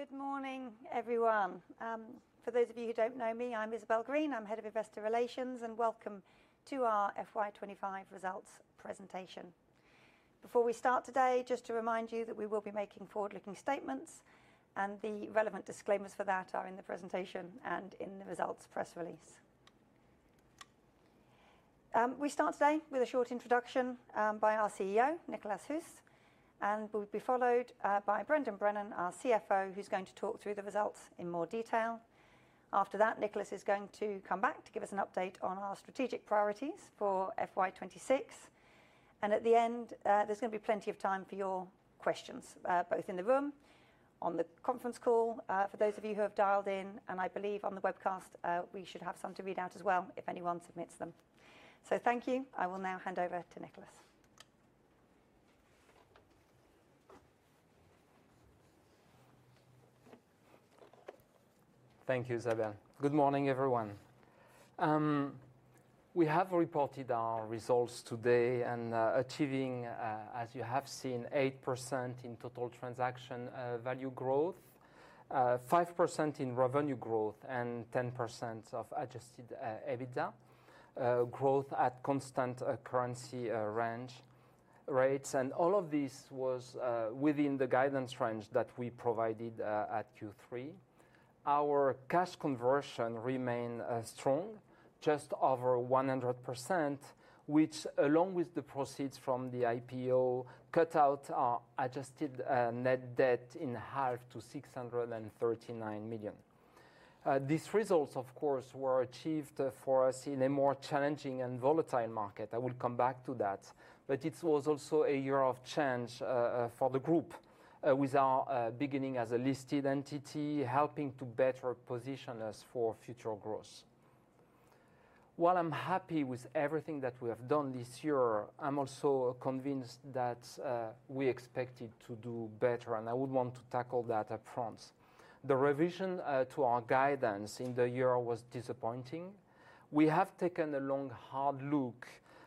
Good morning, everyone. For those of you who do not know me, I am Isabel Green. I am Head of Investor Relations, and welcome to our FY 2025 results presentation. Before we start today, just to remind you that we will be making forward-looking statements, and the relevant disclaimers for that are in the presentation and in the results press release. We start today with a short introduction by our CEO, Nicolas Huss, and will be followed by Brendan Brennan, our CFO, who is going to talk through the results in more detail. After that, Nicolas is going to come back to give us an update on our strategic priorities for FY 2026. At the end, there is going to be plenty of time for your questions, both in the room, on the conference call for those of you who have dialed in, and I believe on the webcast. We should have some to read out as well if anyone submits them. Thank you. I will now hand over to Nicolas. Thank you, Isabel. Good morning, everyone. We have reported our results today and achieving, as you have seen, 8% in total transaction value growth, 5% in revenue growth, and 10% of adjusted EBITDA growth at constant currency rates. All of this was within the guidance range that we provided at Q3. Our cash conversion remained strong, just over 100%, which, along with the proceeds from the IPO, cut our adjusted net debt in half to 639 million. These results, of course, were achieved for us in a more challenging and volatile market. I will come back to that. It was also a year of change for the group, with our beginning as a listed entity helping to better position us for future growth. While I'm happy with everything that we have done this year, I'm also convinced that we expected to do better, and I would want to tackle that upfront. The revision to our guidance in the year was disappointing. We have taken a long, hard look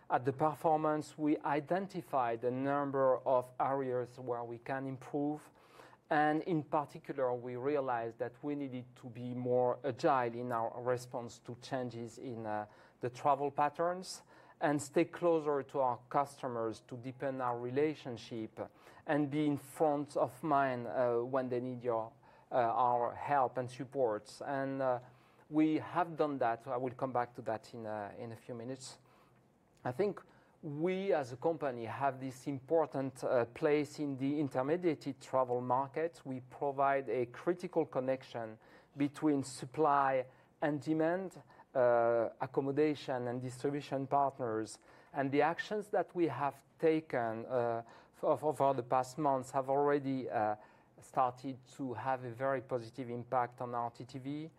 at the performance. We identified a number of areas where we can improve. In particular, we realized that we needed to be more agile in our response to changes in the travel patterns and stay closer to our customers to deepen our relationship and be in front of mind when they need our help and support. We have done that. I will come back to that in a few minutes. I think we, as a company, have this important place in the intermediate travel market. We provide a critical connection between supply and demand, accommodation and distribution partners. The actions that we have taken over the past months have already started to have a very positive impact on TTV,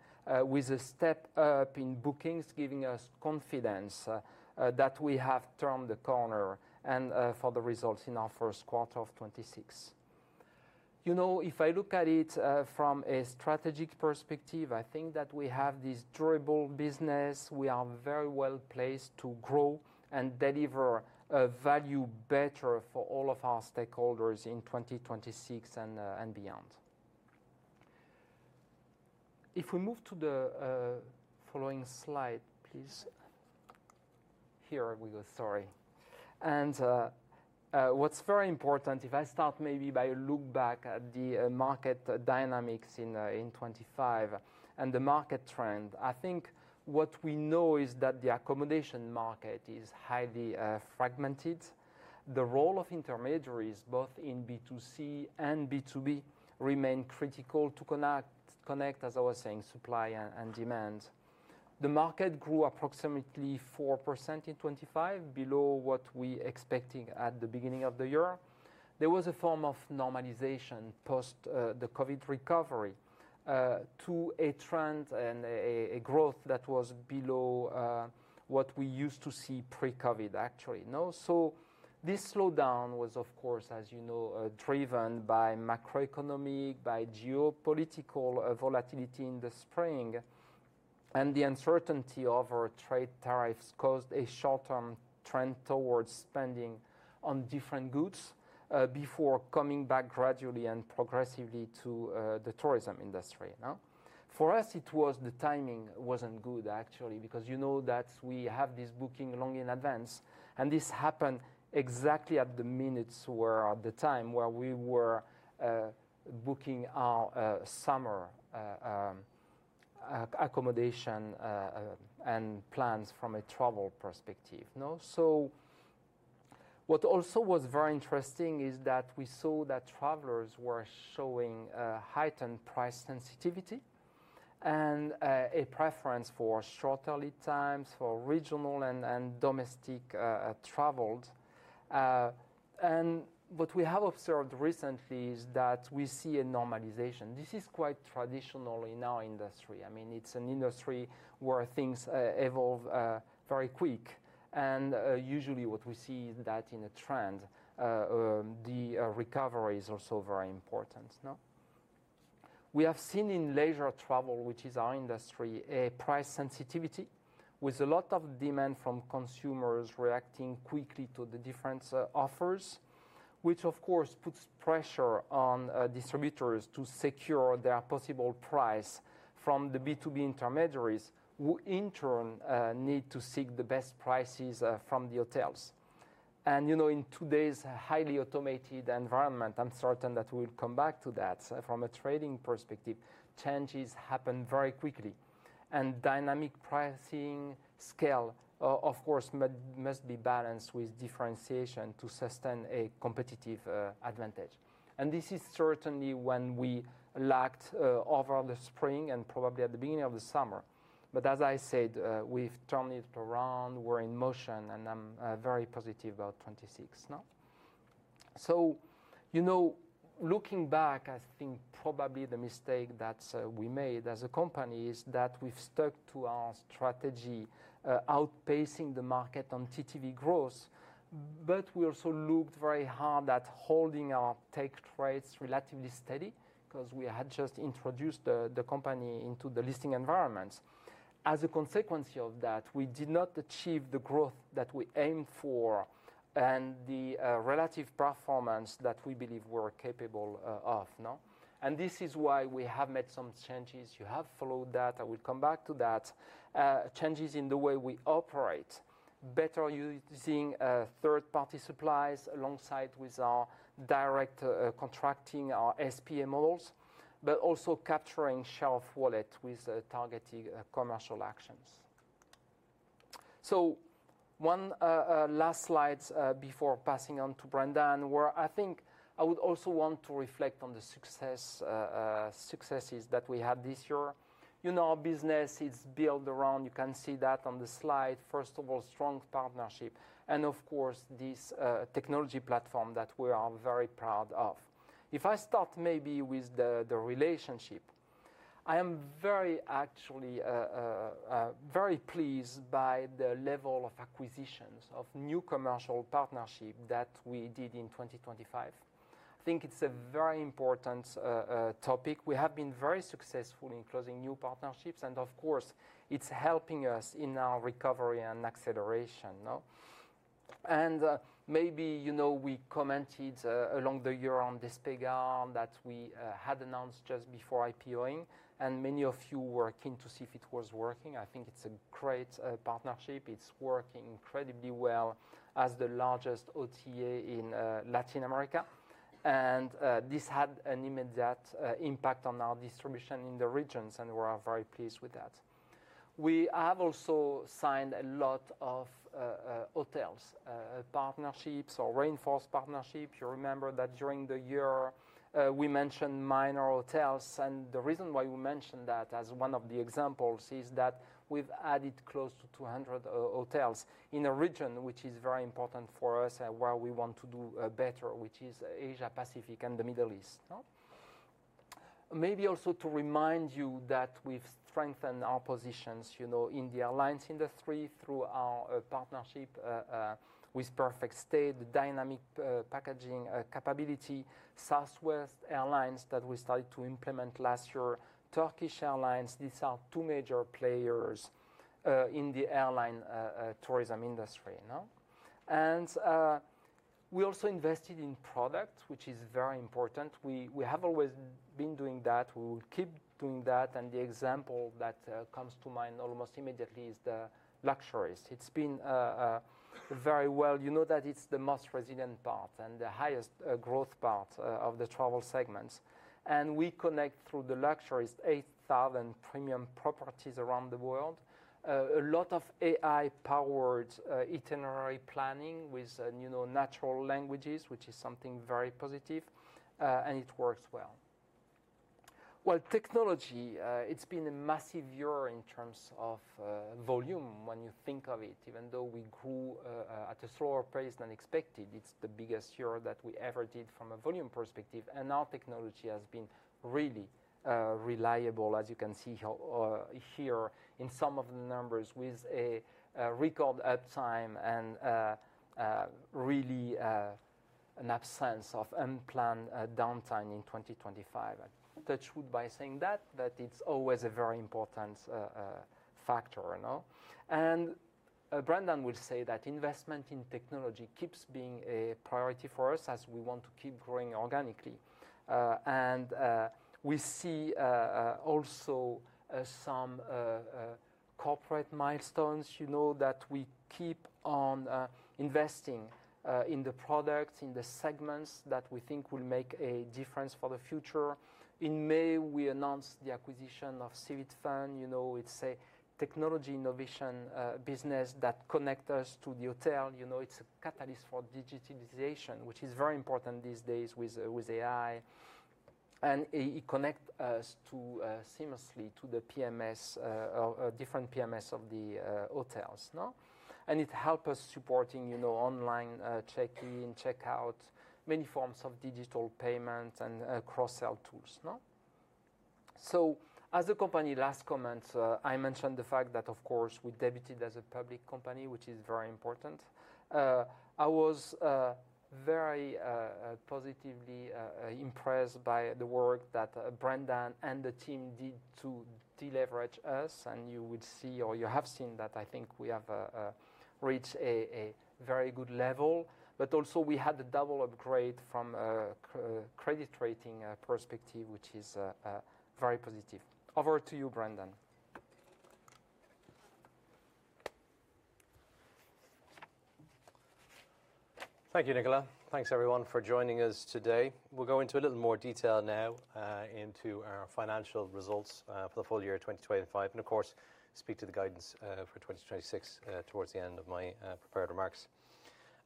with a step up in bookings giving us confidence that we have turned the corner and for the results in our first quarter of 2026. You know, if I look at it from a strategic perspective, I think that we have this durable business. We are very well placed to grow and deliver value better for all of our stakeholders in 2026 and beyond. If we move to the following slide, please. Here we go. Sorry. What's very important, if I start maybe by a look back at the market dynamics in 2025 and the market trend, I think what we know is that the accommodation market is highly fragmented. The role of intermediaries, both in B2C and B2B, remains critical to connect, as I was saying, supply and demand. The market grew approximately 4% in 2025, below what we expected at the beginning of the year. There was a form of normalization post the COVID recovery to a trend and a growth that was below what we used to see pre-COVID, actually. This slowdown was, of course, as you know, driven by macroeconomic, by geopolitical volatility in the spring. The uncertainty over trade tariffs caused a short-term trend towards spending on different goods before coming back gradually and progressively to the tourism industry. For us, it was the timing was not good, actually, because you know that we have this booking long in advance. This happened exactly at the minutes or at the time where we were booking our summer accommodation and plans from a travel perspective. What also was very interesting is that we saw that travelers were showing heightened price sensitivity and a preference for shorter lead times for regional and domestic travels. What we have observed recently is that we see a normalization. This is quite traditional in our industry. I mean, it's an industry where things evolve very quick. Usually what we see is that in a trend, the recovery is also very important. We have seen in leisure travel, which is our industry, a price sensitivity with a lot of demand from consumers reacting quickly to the different offers, which, of course, puts pressure on distributors to secure their possible price from the B2B intermediaries, who in turn need to seek the best prices from the hotels. In today's highly automated environment, I'm certain that we'll come back to that. From a trading perspective, changes happen very quickly. Dynamic pricing scale, of course, must be balanced with differentiation to sustain a competitive advantage. This is certainly when we lacked over the spring and probably at the beginning of the summer. As I said, we've turned it around. We're in motion, and I'm very positive about 2026. Looking back, I think probably the mistake that we made as a company is that we've stuck to our strategy, outpacing the market on TTV growth. We also looked very hard at holding our tech rates relatively steady because we had just introduced the company into the listing environments. As a consequence of that, we did not achieve the growth that we aimed for and the relative performance that we believe we're capable of. This is why we have made some changes. You have followed that. I will come back to that. Changes in the way we operate, better using third-party supplies alongside with our direct contracting, our SPA models, but also capturing shelf wallet with targeted commercial actions. One last slide before passing on to Brendan, where I think I would also want to reflect on the successes that we had this year. Our business is built around, you can see that on the slide, first of all, strong partnership, and of course, this technology platform that we are very proud of. If I start maybe with the relationship, I am actually very pleased by the level of acquisitions of new commercial partnerships that we did in 2025. I think it's a very important topic. We have been very successful in closing new partnerships, and of course, it's helping us in our recovery and acceleration. Maybe we commented along the year on Despegar that we had announced just before IPOing, and many of you were keen to see if it was working. I think it's a great partnership. It's working incredibly well as the largest OTA in Latin America. This had an immediate impact on our distribution in the regions, and we are very pleased with that. We have also signed a lot of hotel partnerships or reinforced partnerships. You remember that during the year we mentioned Minor Hotels. The reason why we mentioned that as one of the examples is that we've added close to 200 hotels in a region which is very important for us and where we want to do better, which is Asia-Pacific and the Middle East. Maybe also to remind you that we've strengthened our positions in the airlines industry through our partnership with PerfectStay, the dynamic packaging capability, Southwest Airlines that we started to implement last year, Turkish Airlines. These are two major players in the airline tourism industry. We also invested in product, which is very important. We have always been doing that. We will keep doing that. The example that comes to mind almost immediately is the luxuries. It's been very well. You know that it's the most resilient part and the highest growth part of the travel segments. We connect through the luxuries 8,000 premium properties around the world, a lot of AI-powered itinerary planning with natural languages, which is something very positive, and it works well. Technology, it's been a massive year in terms of volume when you think of it, even though we grew at a slower pace than expected. It's the biggest year that we ever did from a volume perspective. Our technology has been really reliable, as you can see here in some of the numbers with a record uptime and really an absence of unplanned downtime in 2025. I touch wood by saying that, but it's always a very important factor. Brendan will say that investment in technology keeps being a priority for us as we want to keep growing organically. We see also some corporate milestones that we keep on investing in the products, in the segments that we think will make a difference for the future. In May, we announced the acquisition of Civitfun. It's a technology innovation business that connects us to the hotel. It's a catalyst for digitalization, which is very important these days with AI. It connects us seamlessly to the different PMS of the hotels. It helps us supporting online check-in, check-out, many forms of digital payments, and cross-sell tools. As a company, last comment, I mentioned the fact that, of course, we debuted as a public company, which is very important. I was very positively impressed by the work that Brendan and the team did to deleverage us. You would see, or you have seen, that I think we have reached a very good level. We had a double upgrade from a credit rating perspective, which is very positive. Over to you, Brendan. Thank you, Nicolas. Thanks, everyone, for joining us today. We'll go into a little more detail now into our financial results for the full year 2025. Of course, speak to the guidance for 2026 towards the end of my prepared remarks.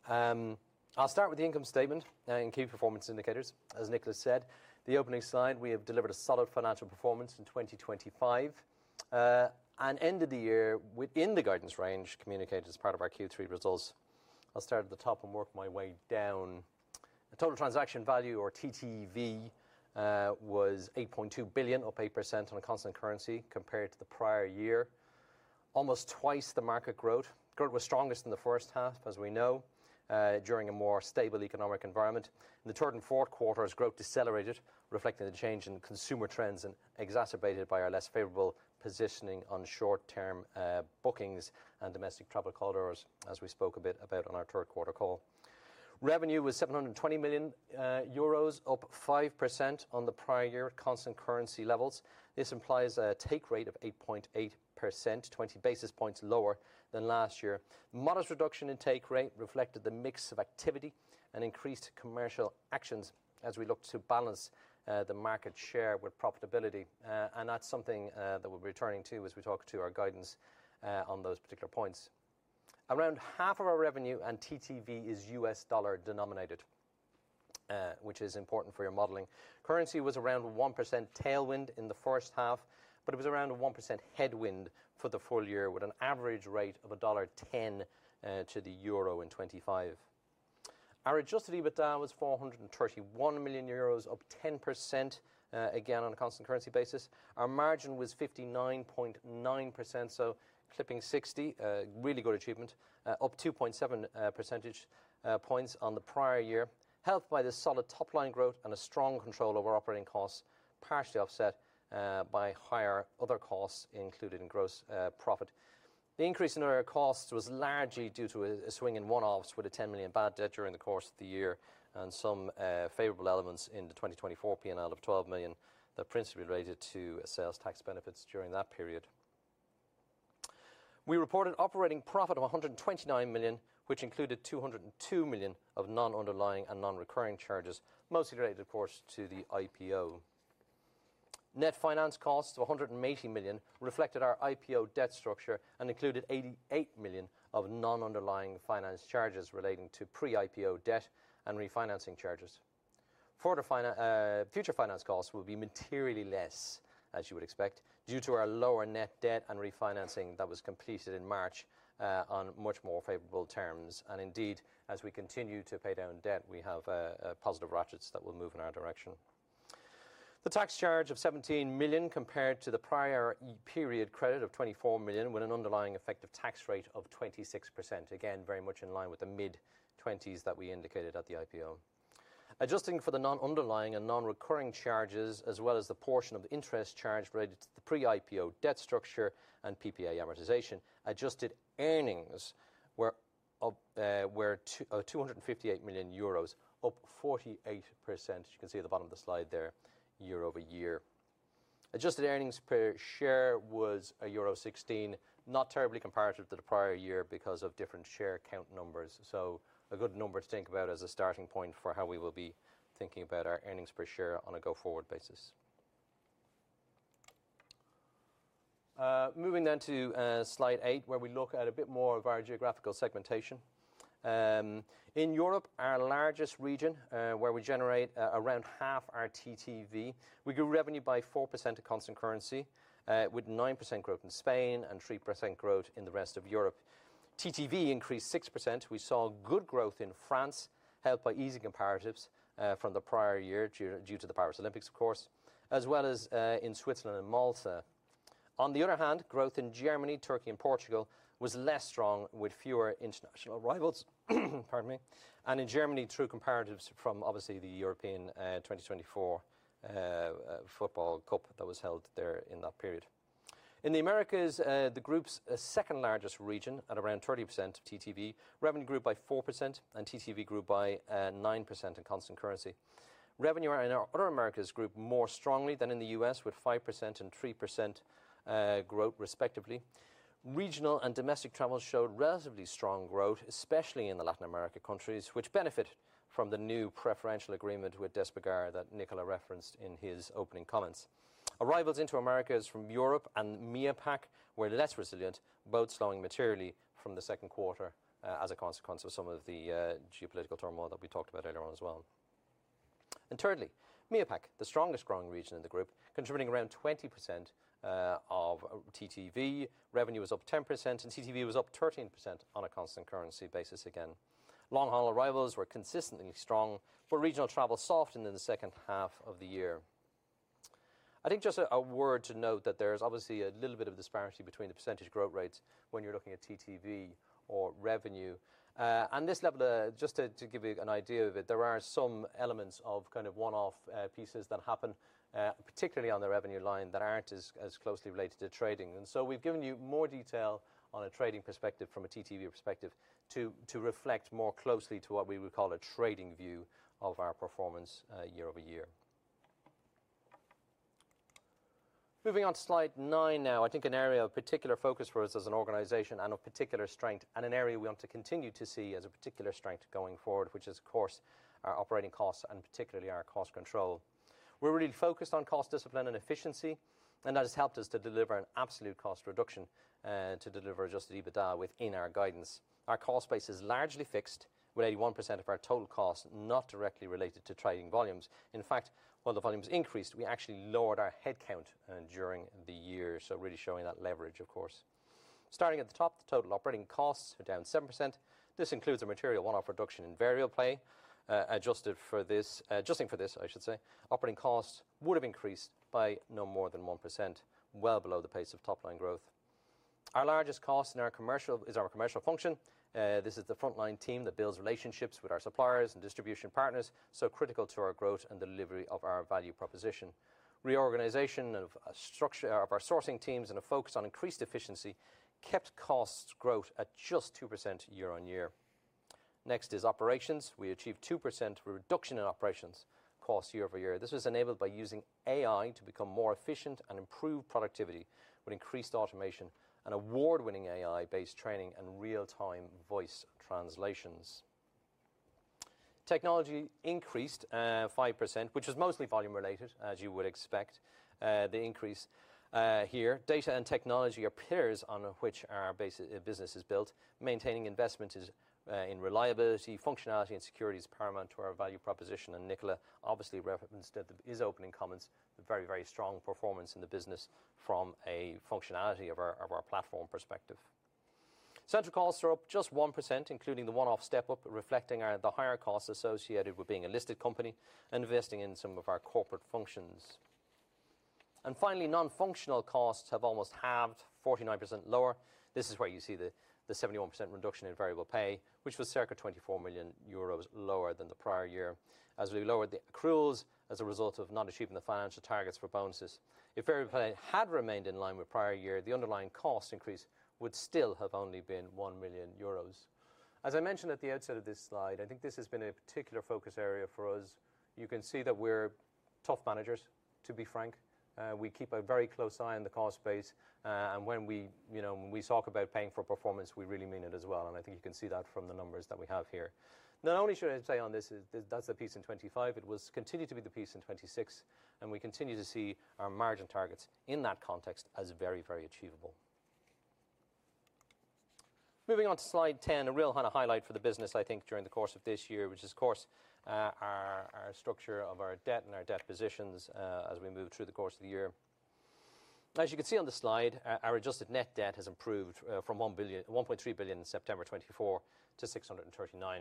I'll start with the income statement and key performance indicators. As Nicolas said, the opening slide, we have delivered a solid financial performance in 2025 and ended the year within the guidance range communicated as part of our Q3 results. I'll start at the top and work my way down. The Total Transaction Value, or TTV, was 8.2 billion, up 8% on a constant currency compared to the prior year. Almost twice the market growth. Growth was strongest in the first half, as we know, during a more stable economic environment. In the third and fourth quarters, growth decelerated, reflecting the change in consumer trends and exacerbated by our less favorable positioning on short-term bookings and domestic travel corridors, as we spoke a bit about on our third quarter call. Revenue was 720 million euros, up 5% on the prior year constant currency levels. This implies a take rate of 8.8%, 20 basis points lower than last year. Modest reduction in take rate reflected the mix of activity and increased commercial actions as we looked to balance the market share with profitability. That is something that we will be returning to as we talk to our guidance on those particular points. Around half of our revenue and TTV is US dollar denominated, which is important for your modeling. Currency was around 1% tailwind in the first half, but it was around 1% headwind for the full year with an average rate of $1.10 to the euro in 2025. Our adjusted EBITDA was 431 million euros, up 10% again on a constant currency basis. Our margin was 59.9%, so clipping 60, really good achievement, up 2.7 percentage points on the prior year, helped by the solid top-line growth and a strong control over operating costs, partially offset by higher other costs included in gross profit. The increase in our costs was largely due to a swing in one-offs with a 10 million bad debt during the course of the year and some favorable elements in the 2024 P&L of 12 million that principally related to sales tax benefits during that period. We reported operating profit of 129 million, which included 202 million of non-underlying and non-recurring charges, mostly related, of course, to the IPO. Net finance costs of 180 million reflected our IPO debt structure and included 88 million of non-underlying finance charges relating to pre-IPO debt and refinancing charges. Future finance costs will be materially less, as you would expect, due to our lower net debt and refinancing that was completed in March on much more favorable terms. Indeed, as we continue to pay down debt, we have positive ratchets that will move in our direction. The tax charge of 17 million compared to the prior period credit of 24 million with an underlying effective tax rate of 26%, again, very much in line with the mid-20s that we indicated at the IPO. Adjusting for the non-underlying and non-recurring charges, as well as the portion of the interest charged related to the pre-IPO debt structure and PPA amortization, adjusted earnings were 258 million euros, up 48%. You can see at the bottom of the slide there, year over year. Adjusted earnings per share was euro 1.16, not terribly comparative to the prior year because of different share count numbers. A good number to think about as a starting point for how we will be thinking about our earnings per share on a go-forward basis. Moving then to slide eight, where we look at a bit more of our geographical segmentation. In Europe, our largest region, where we generate around half our TTV, we grew revenue by 4% at constant currency with 9% growth in Spain and 3% growth in the rest of Europe. TTV increased 6%. We saw good growth in France, helped by easy comparatives from the prior year due to the Paris Olympics, of course, as well as in Switzerland and Malta. On the other hand, growth in Germany, Turkey, and Portugal was less strong with fewer international arrivals. In Germany, true comparatives from obviously the European 2024 Football Cup that was held there in that period. In the Americas, the group's second largest region at around 30%. TTV, revenue grew by 4% and TTV grew by 9% in constant currency. Revenue in our other Americas grew more strongly than in the U.S. with 5% and 3% growth, respectively. Regional and domestic travel showed relatively strong growth, especially in the Latin America countries, which benefited from the new preferential agreement with Despegar that Nicolas referenced in his opening comments. Arrivals into Americas from Europe and MEAPAC were less resilient, both slowing materially from the second quarter as a consequence of some of the geopolitical turmoil that we talked about earlier on as well. Thirdly, MEAPAC, the strongest growing region in the group, contributing around 20% of TTV. Revenue was up 10% and TTV was up 13% on a constant currency basis again. Long-haul arrivals were consistently strong, but regional travel softened in the second half of the year. I think just a word to note that there's obviously a little bit of disparity between the percentage growth rates when you're looking at TTV or revenue. At this level, just to give you an idea of it, there are some elements of kind of one-off pieces that happen, particularly on the revenue line, that aren't as closely related to trading. We have given you more detail on a trading perspective from a TTV perspective to reflect more closely to what we would call a trading view of our performance year over year. Moving on to slide nine now, I think an area of particular focus for us as an organization and of particular strength, and an area we want to continue to see as a particular strength going forward, which is, of course, our operating costs and particularly our cost control. We're really focused on cost discipline and efficiency, and that has helped us to deliver an absolute cost reduction to deliver adjusted EBITDA within our guidance. Our cost base is largely fixed with 81% of our total costs not directly related to trading volumes. In fact, while the volumes increased, we actually lowered our headcount during the year, so really showing that leverage, of course. Starting at the top, the total operating costs are down 7%. This includes a material one-off reduction in variable pay adjusted for this. Adjusting for this, I should say, operating costs would have increased by no more than 1%, well below the pace of top-line growth. Our largest cost in our commercial is our commercial function. This is the frontline team that builds relationships with our suppliers and distribution partners, so critical to our growth and delivery of our value proposition. Reorganization of our sourcing teams and a focus on increased efficiency kept cost growth at just 2% year on year. Next is operations. We achieved 2% reduction in operations cost year over year. This was enabled by using AI to become more efficient and improve productivity with increased automation and award-winning AI-based training and real-time voice translations. Technology increased 5%, which was mostly volume related, as you would expect the increase here. Data and technology are pillars on which our business is built. Maintaining investment in reliability, functionality, and security is paramount to our value proposition. Nicolas, obviously, referenced at the opening comments, very, very strong performance in the business from a functionality of our platform perspective. Central costs are up just 1%, including the one-off step up, reflecting the higher costs associated with being a listed company and investing in some of our corporate functions. Finally, non-functional costs have almost halved, 49% lower. This is where you see the 71% reduction in variable pay, which was circa 24 million euros lower than the prior year, as we lowered the accruals as a result of not achieving the financial targets for bonuses. If variable pay had remained in line with prior year, the underlying cost increase would still have only been 1 million euros. As I mentioned at the outset of this slide, I think this has been a particular focus area for us. You can see that we're tough managers, to be frank. We keep a very close eye on the cost base. When we talk about paying for performance, we really mean it as well. I think you can see that from the numbers that we have here. Not only should I say on this, that's the piece in 2025. It will continue to be the piece in 2026. We continue to see our margin targets in that context as very, very achievable. Moving on to slide 10, a real highlight for the business, I think, during the course of this year, which is, of course, our structure of our debt and our debt positions as we move through the course of the year. As you can see on the slide, our adjusted net debt has improved from 1.3 billion in September 2024 to 639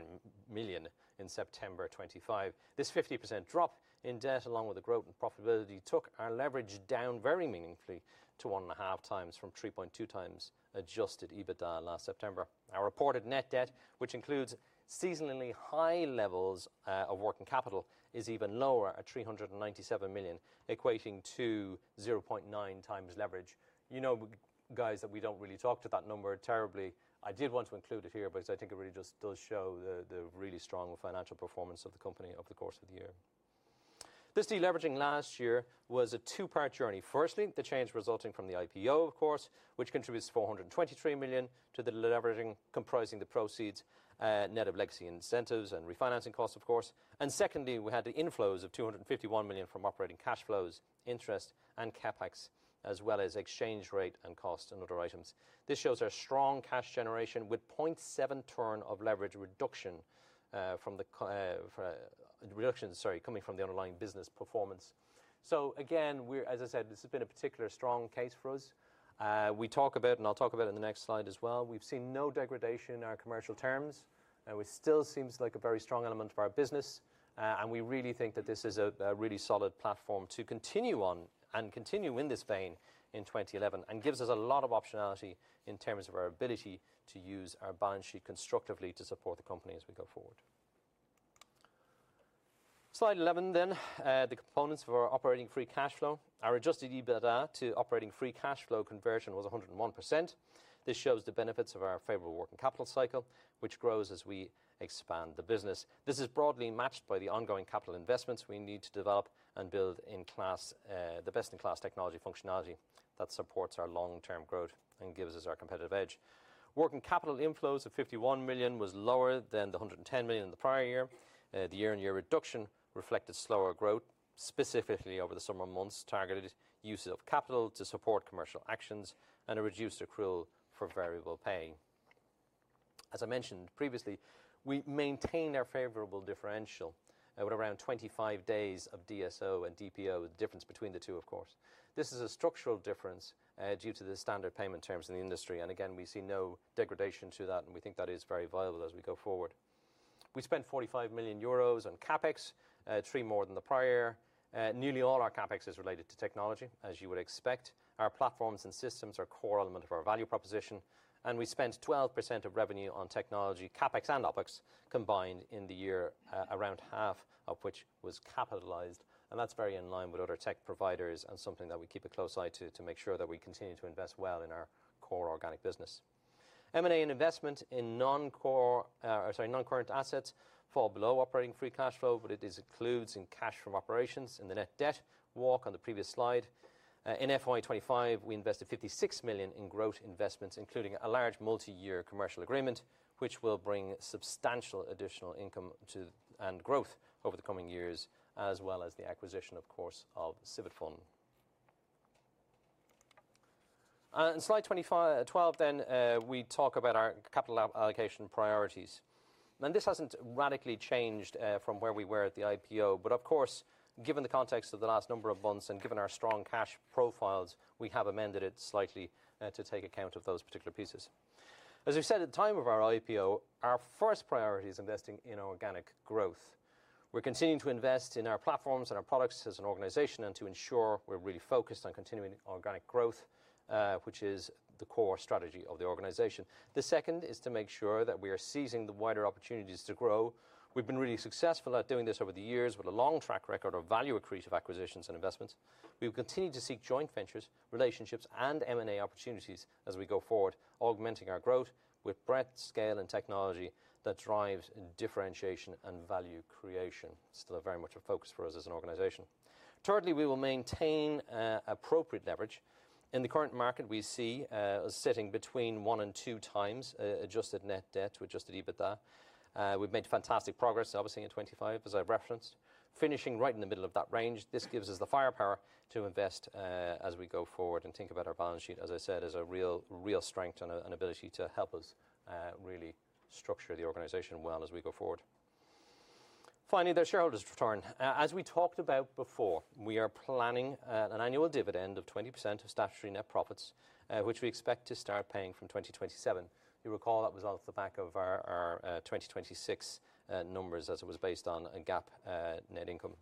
million in September 2025. This 50% drop in debt, along with the growth in profitability, took our leverage down very meaningfully to 1.5 times from 3.2 times adjusted EBITDA last September. Our reported net debt, which includes seasonally high levels of working capital, is even lower at 397 million, equating to 0.9 times leverage. You know, guys, that we do not really talk to that number terribly. I did want to include it here because I think it really just does show the really strong financial performance of the company over the course of the year. This deleveraging last year was a two-part journey. Firstly, the change resulting from the IPO, of course, which contributes 423 million to the deleveraging, comprising the proceeds, net of legacy incentives and refinancing costs, of course. Secondly, we had the inflows of 251 million from operating cash flows, interest, and CapEx, as well as exchange rate and cost and other items. This shows our strong cash generation with 0.7 turn of leverage reduction from the reduction, sorry, coming from the underlying business performance. Again, as I said, this has been a particular strong case for us. We talk about, and I'll talk about it in the next slide as well. We've seen no degradation in our commercial terms. It still seems like a very strong element of our business. We really think that this is a really solid platform to continue on and continue in this vein in 2011 and gives us a lot of optionality in terms of our ability to use our balance sheet constructively to support the company as we go forward. Slide 11 then, the components of our operating free cash flow. Our adjusted EBITDA to operating free cash flow conversion was 101%. This shows the benefits of our favorable working capital cycle, which grows as we expand the business. This is broadly matched by the ongoing capital investments we need to develop and build in class, the best-in-class technology functionality that supports our long-term growth and gives us our competitive edge. Working capital inflows of 51 million was lower than the 110 million in the prior year. The year-on-year reduction reflected slower growth, specifically over the summer months, targeted uses of capital to support commercial actions and a reduced accrual for variable pay. As I mentioned previously, we maintained our favorable differential with around 25 days of DSO and DPO, the difference between the two, of course. This is a structural difference due to the standard payment terms in the industry. We see no degradation to that, and we think that is very viable as we go forward. We spent 45 million euros on CapEx, three more than the prior year. Nearly all our CapEx is related to technology, as you would expect. Our platforms and systems are a core element of our value proposition. We spent 12% of revenue on technology, CapEx and OpEx combined in the year, around half of which was capitalized. That is very in line with other tech providers and something that we keep a close eye to to make sure that we continue to invest well in our core organic business. M&A and investment in non-core or, sorry, non-current assets fall below operating free cash flow, but it is included in cash from operations and the net debt walk on the previous slide. In FY 2025, we invested 56 million in growth investments, including a large multi-year commercial agreement, which will bring substantial additional income and growth over the coming years, as well as the acquisition, of course, of Civitfun. On slide 12 then, we talk about our capital allocation priorities. This has not radically changed from where we were at the IPO, but of course, given the context of the last number of months and given our strong cash profiles, we have amended it slightly to take account of those particular pieces. As we said at the time of our IPO, our first priority is investing in organic growth. We are continuing to invest in our platforms and our products as an organization and to ensure we are really focused on continuing organic growth, which is the core strategy of the organization. The second is to make sure that we are seizing the wider opportunities to grow. We have been really successful at doing this over the years with a long track record of value accretive acquisitions and investments. We will continue to seek joint ventures, relationships, and M&A opportunities as we go forward, augmenting our growth with breadth, scale, and technology that drives differentiation and value creation. Still very much a focus for us as an organization. Thirdly, we will maintain appropriate leverage. In the current market, we see a sitting between one and two times adjusted net debt to adjusted EBITDA. We've made fantastic progress, obviously, in 2025, as I've referenced. Finishing right in the middle of that range, this gives us the firepower to invest as we go forward and think about our balance sheet, as I said, as a real strength and an ability to help us really structure the organization well as we go forward. Finally, the shareholders' return. As we talked about before, we are planning an annual dividend of 20% of statutory net profits, which we expect to start paying from 2027. You recall that was off the back of our 2026 numbers as it was based on a GAAP net income.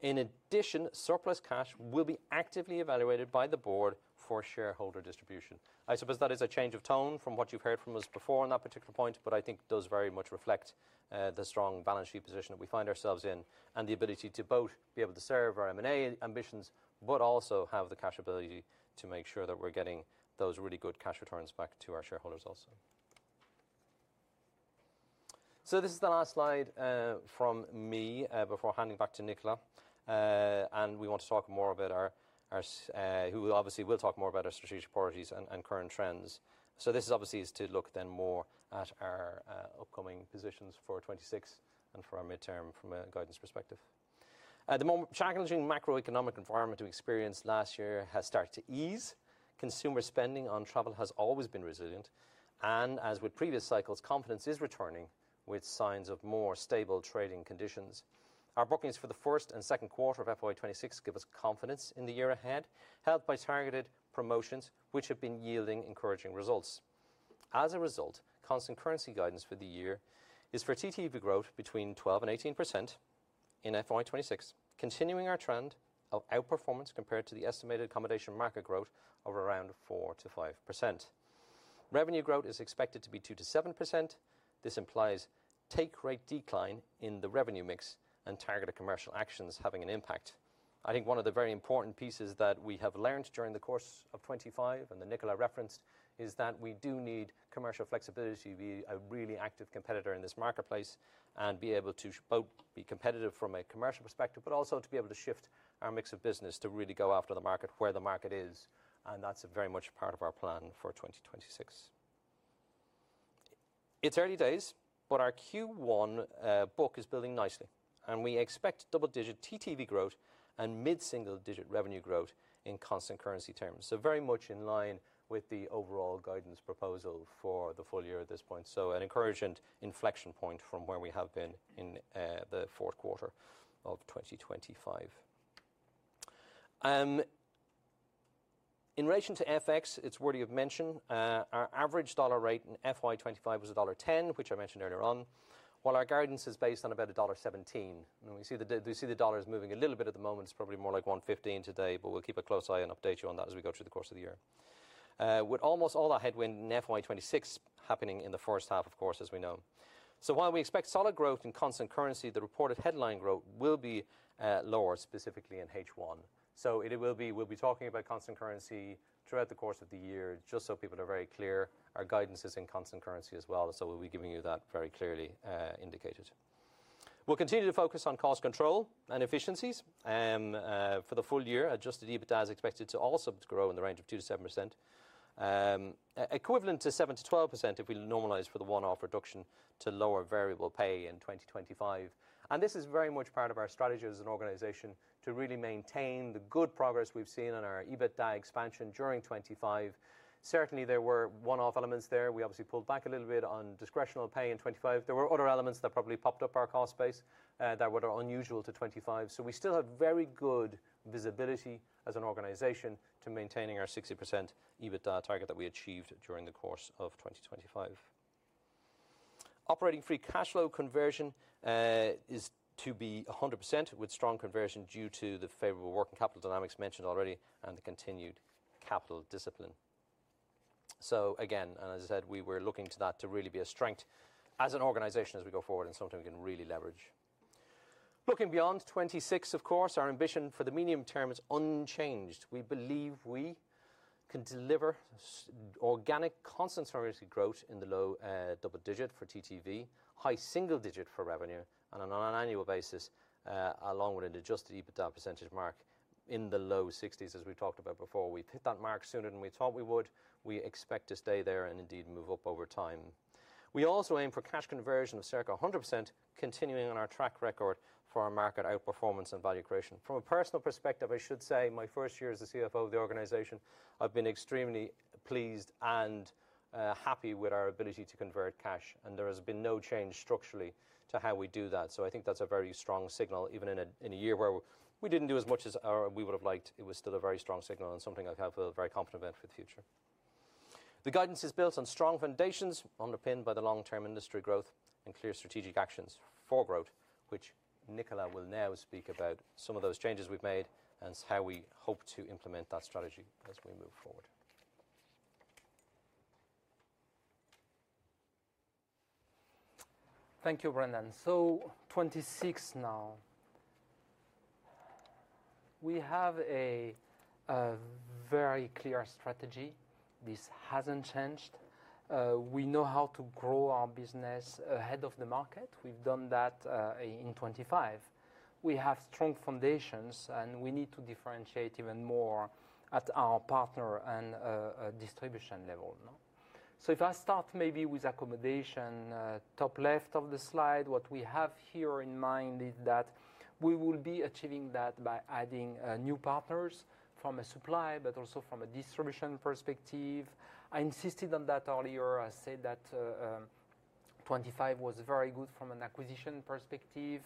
In addition, surplus cash will be actively evaluated by the board for shareholder distribution. I suppose that is a change of tone from what you've heard from us before on that particular point, but I think it does very much reflect the strong balance sheet position that we find ourselves in and the ability to both be able to serve our M&A ambitions, but also have the cash ability to make sure that we're getting those really good cash returns back to our shareholders also. This is the last slide from me before handing back to Nicolas. We want to talk more about our who obviously will talk more about our strategic priorities and current trends. This obviously is to look then more at our upcoming positions for 2026 and for our midterm from a guidance perspective. The challenging macroeconomic environment we experienced last year has started to ease. Consumer spending on travel has always been resilient. As with previous cycles, confidence is returning with signs of more stable trading conditions. Our bookings for the first and second quarter of FY 2026 give us confidence in the year ahead, helped by targeted promotions, which have been yielding encouraging results. As a result, constant currency guidance for the year is for TTV growth between 12%-18% in FY 2026, continuing our trend of outperformance compared to the estimated accommodation market growth of around 4%-5%. Revenue growth is expected to be 2%-7%. This implies take rate decline in the revenue mix and targeted commercial actions having an impact. I think one of the very important pieces that we have learned during the course of 2025, and that Nicolas referenced, is that we do need commercial flexibility to be a really active competitor in this marketplace and be able to both be competitive from a commercial perspective, but also to be able to shift our mix of business to really go after the market where the market is. That is very much part of our plan for 2026. It is early days, but our Q1 book is building nicely. We expect double-digit TTV growth and mid-single-digit revenue growth in constant currency terms. That is very much in line with the overall guidance proposal for the full year at this point. An encouraging inflection point from where we have been in the fourth quarter of 2025. In relation to FX, it is worthy of mention. Our average dollar rate in FY 2025 was $1.10, which I mentioned earlier on, while our guidance is based on about $1.17. We see the dollar is moving a little bit at the moment. It's probably more like $1.15 today, but we'll keep a close eye and update you on that as we go through the course of the year, with almost all that headwind in FY 2026 happening in the first half, of course, as we know. While we expect solid growth in constant currency, the reported headline growth will be lower, specifically in H1. We will be talking about constant currency throughout the course of the year. Just so people are very clear, our guidance is in constant currency as well. We will be giving you that very clearly indicated. We'll continue to focus on cost control and efficiencies for the full year. Adjusted EBITDA is expected to also grow in the range of 2%-7%, equivalent to 7%-12% if we normalize for the one-off reduction to lower variable pay in 2025. This is very much part of our strategy as an organization to really maintain the good progress we've seen on our EBITDA expansion during 2025. Certainly, there were one-off elements there. We obviously pulled back a little bit on discretional pay in 2025. There were other elements that probably popped up our cost base that were unusual to 2025. We still have very good visibility as an organization to maintaining our 60% EBITDA target that we achieved during the course of 2025. Operating free cash flow conversion is to be 100% with strong conversion due to the favorable working capital dynamics mentioned already and the continued capital discipline. Again, as I said, we were looking to that to really be a strength as an organization as we go forward and something we can really leverage. Looking beyond 2026, of course, our ambition for the medium term is unchanged. We believe we can deliver organic constant service growth in the low double-digit % for TTV, high single-digit % for revenue, and on an annual basis, along with an adjusted EBITDA percentage mark in the low 60%, as we talked about before. We hit that mark sooner than we thought we would. We expect to stay there and indeed move up over time. We also aim for cash conversion of circa 100%, continuing on our track record for our market outperformance and value creation. From a personal perspective, I should say, my first year as the CFO of the organization, I've been extremely pleased and happy with our ability to convert cash. There has been no change structurally to how we do that. I think that's a very strong signal. Even in a year where we didn't do as much as we would have liked, it was still a very strong signal and something I have a very confident vent for the future. The guidance is built on strong foundations underpinned by the long-term industry growth and clear strategic actions for growth, which Nicolas will now speak about some of those changes we've made and how we hope to implement that strategy as we move forward. Thank you, Brendan. 2026 now. We have a very clear strategy. This hasn't changed. We know how to grow our business ahead of the market. We've done that in 2025. We have strong foundations, and we need to differentiate even more at our partner and distribution level. If I start maybe with accommodation, top left of the slide, what we have here in mind is that we will be achieving that by adding new partners from a supply, but also from a distribution perspective. I insisted on that earlier. I said that 2025 was very good from an acquisition perspective.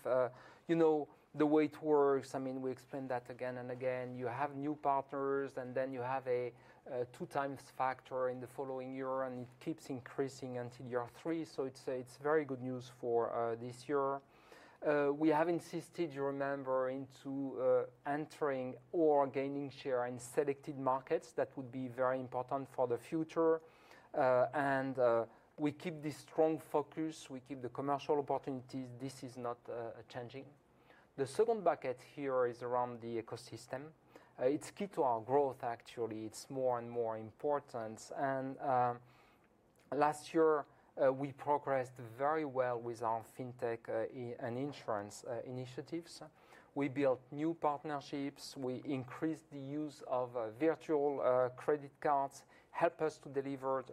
You know the way it works. I mean, we explained that again and again. You have new partners, and then you have a two-times factor in the following year, and it keeps increasing until year three. It is very good news for this year. We have insisted, you remember, into entering or gaining share in selected markets that would be very important for the future. We keep this strong focus. We keep the commercial opportunities. This is not changing. The second bucket here is around the ecosystem. It is key to our growth, actually. It is more and more important. Last year, we progressed very well with our fintech and insurance initiatives. We built new partnerships. We increased the use of virtual credit cards, helped us to deliver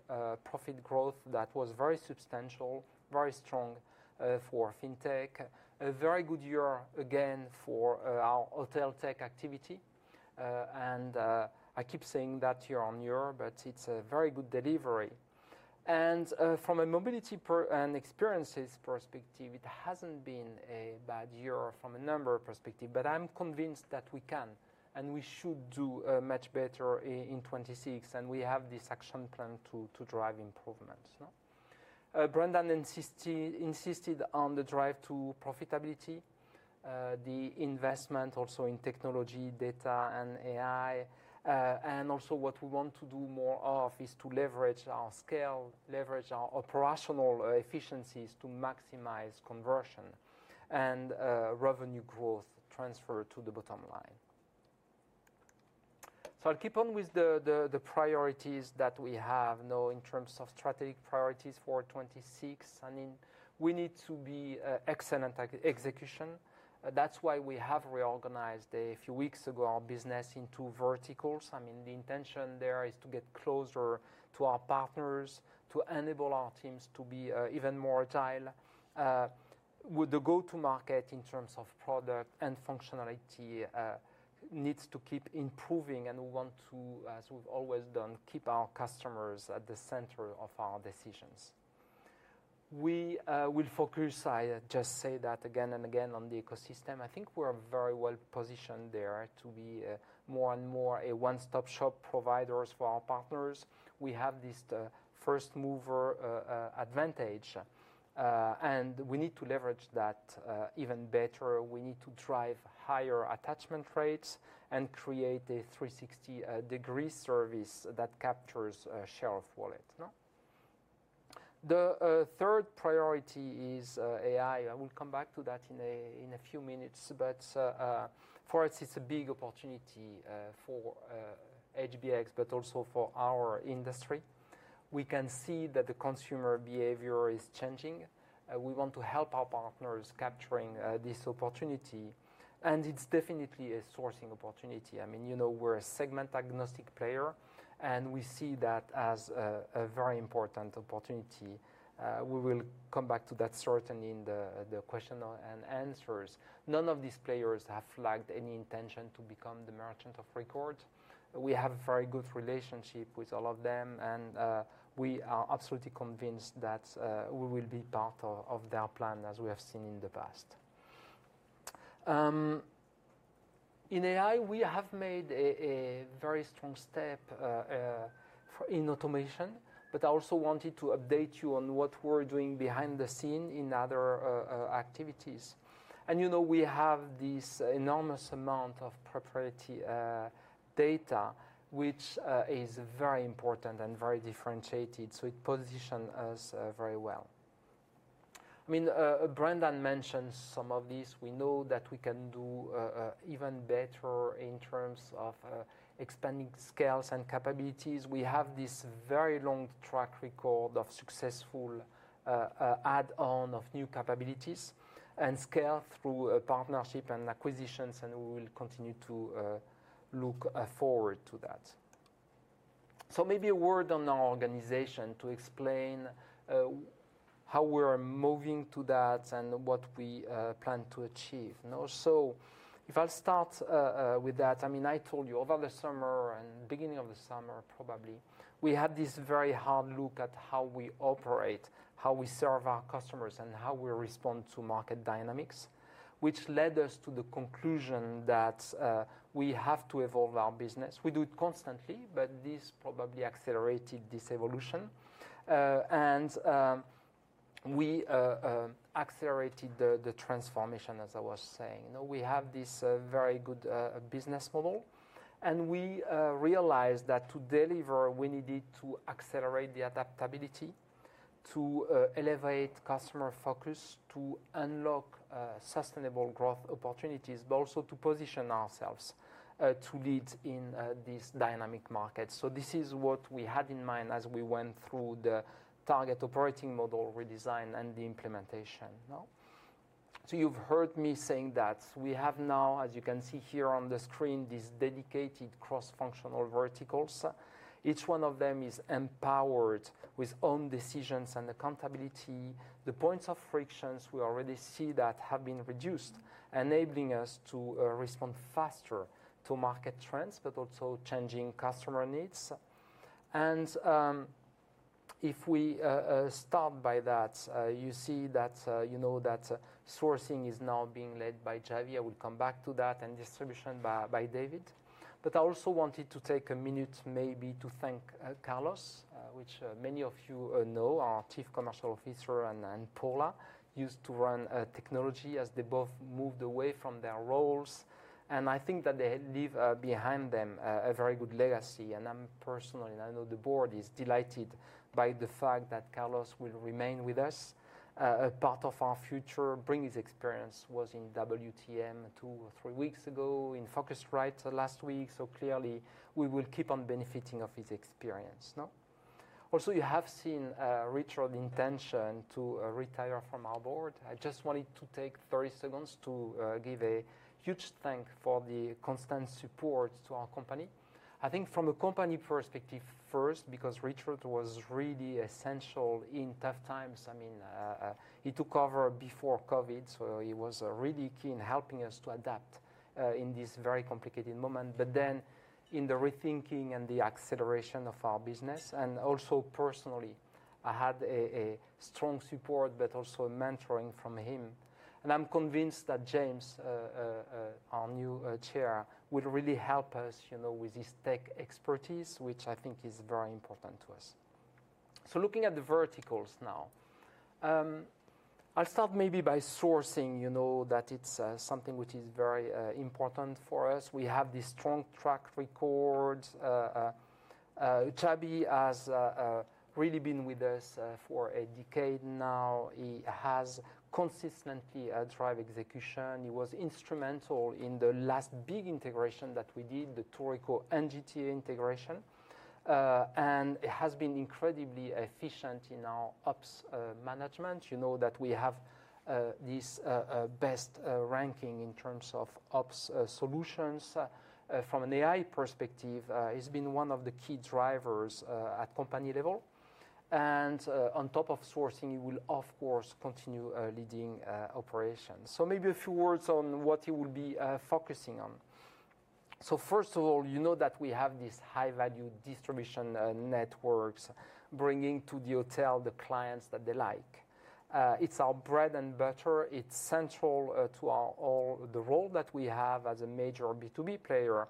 profit growth that was very substantial, very strong for fintech. A very good year again for our hotel tech activity. I keep saying that year on year, but it is a very good delivery. From a mobility and experiences perspective, it has not been a bad year from a number of perspectives, but I am convinced that we can and we should do much better in 2026. We have this action plan to drive improvements. Brendan insisted on the drive to profitability, the investment also in technology, data, and AI. What we want to do more of is to leverage our scale, leverage our operational efficiencies to maximize conversion and revenue growth transfer to the bottom line. I'll keep on with the priorities that we have now in terms of strategic priorities for 2026. I mean, we need to be excellent execution. That's why we have reorganized a few weeks ago our business into verticals. The intention there is to get closer to our partners, to enable our teams to be even more agile. The go-to-market in terms of product and functionality needs to keep improving. We want to, as we've always done, keep our customers at the center of our decisions. We will focus, I just say that again and again, on the ecosystem. I think we're very well positioned there to be more and more a one-stop shop provider for our partners. We have this first-mover advantage, and we need to leverage that even better. We need to drive higher attachment rates and create a 360-degree service that captures a share of wallet. The third priority is AI. I will come back to that in a few minutes, but for us, it's a big opportunity for HBX, but also for our industry. We can see that the consumer behavior is changing. We want to help our partners capturing this opportunity. It's definitely a sourcing opportunity. I mean, we're a segment agnostic player, and we see that as a very important opportunity. We will come back to that certainly in the question and answers. None of these players have flagged any intention to become the merchant of record. We have a very good relationship with all of them, and we are absolutely convinced that we will be part of their plan, as we have seen in the past. In AI, we have made a very strong step in automation, but I also wanted to update you on what we're doing behind the scene in other activities. We have this enormous amount of proprietary data, which is very important and very differentiated. It positions us very well. I mean, Brendan mentioned some of these. We know that we can do even better in terms of expanding scales and capabilities. We have this very long track record of successful add-on of new capabilities and scale through partnership and acquisitions, and we will continue to look forward to that. Maybe a word on our organization to explain how we're moving to that and what we plan to achieve. If I'll start with that, I mean, I told you over the summer and beginning of the summer, probably, we had this very hard look at how we operate, how we serve our customers, and how we respond to market dynamics, which led us to the conclusion that we have to evolve our business. We do it constantly, but this probably accelerated this evolution. I accelerated the transformation, as I was saying. We have this very good business model, and we realized that to deliver, we needed to accelerate the adaptability, to elevate customer focus, to unlock sustainable growth opportunities, but also to position ourselves to lead in this dynamic market. This is what we had in mind as we went through the target operating model redesign and the implementation. You have heard me saying that we have now, as you can see here on the screen, these dedicated cross-functional verticals. Each one of them is empowered with own decisions and accountability. The points of frictions we already see that have been reduced, enabling us to respond faster to market trends, but also changing customer needs. If we start by that, you see that you know that sourcing is now being led by Javi. I will come back to that and distribution by David. I also wanted to take a minute maybe to thank Carlos, which many of you know, our Chief Commercial Officer, and Paula, used to run technology as they both moved away from their roles. I think that they leave behind them a very good legacy. I'm personally, and I know the board is delighted by the fact that Carlos will remain with us, a part of our future. Bring his experience was in WTM two or three weeks ago in Focusrite last week. Clearly, we will keep on benefiting of his experience. Also, you have seen Richard's intention to retire from our board. I just wanted to take 30 seconds to give a huge thank for the constant support to our company. I think from a company perspective first, because Richard was really essential in tough times. I mean, he took over before COVID, so he was really key in helping us to adapt in this very complicated moment. Then in the rethinking and the acceleration of our business, and also personally, I had a strong support, but also mentoring from him. I'm convinced that James, our new chair, will really help us with his tech expertise, which I think is very important to us. Looking at the verticals now, I'll start maybe by sourcing that it's something which is very important for us. We have this strong track record. Javi has really been with us for a decade now. He has consistently driven execution. He was instrumental in the last big integration that we did, the Tourico and GTA integration. It has been incredibly efficient in our ops management. You know that we have this best ranking in terms of ops solutions. From an AI perspective, he's been one of the key drivers at company level. On top of sourcing, he will, of course, continue leading operations. Maybe a few words on what he will be focusing on. First of all, you know that we have these high-value distribution networks bringing to the hotel the clients that they like. It's our bread and butter. It's central to all the role that we have as a major B2B player.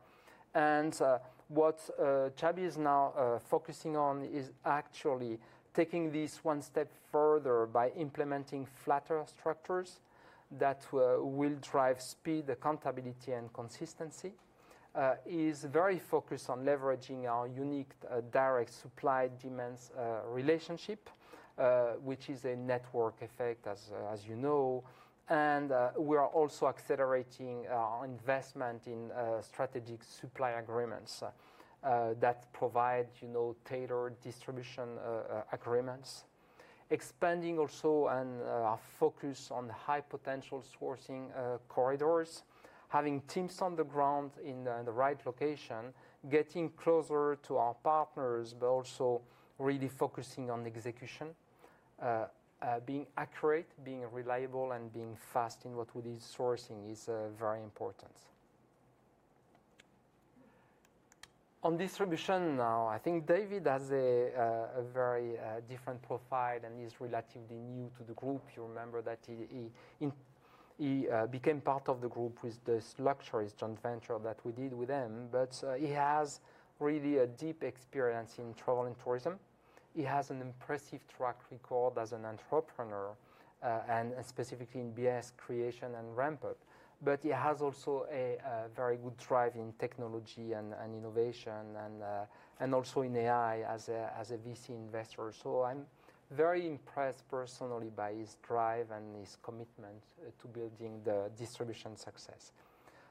What Javi is now focusing on is actually taking this one step further by implementing flatter structures that will drive speed, accountability, and consistency. He's very focused on leveraging our unique direct supply demands relationship, which is a network effect, as you know. We are also accelerating our investment in strategic supply agreements that provide tailored distribution agreements, expanding also our focus on high-potential sourcing corridors, having teams on the ground in the right location, getting closer to our partners, but also really focusing on execution, being accurate, being reliable, and being fast in what we need. Sourcing is very important. On distribution now, I think David has a very different profile and is relatively new to the group. You remember that he became part of the group with this luxurious joint venture that we did with him. He has really a deep experience in travel and tourism. He has an impressive track record as an entrepreneur, and specifically in BS creation and ramp-up. He has also a very good drive in technology and innovation, and also in AI as a VC investor. I am very impressed personally by his drive and his commitment to building the distribution success.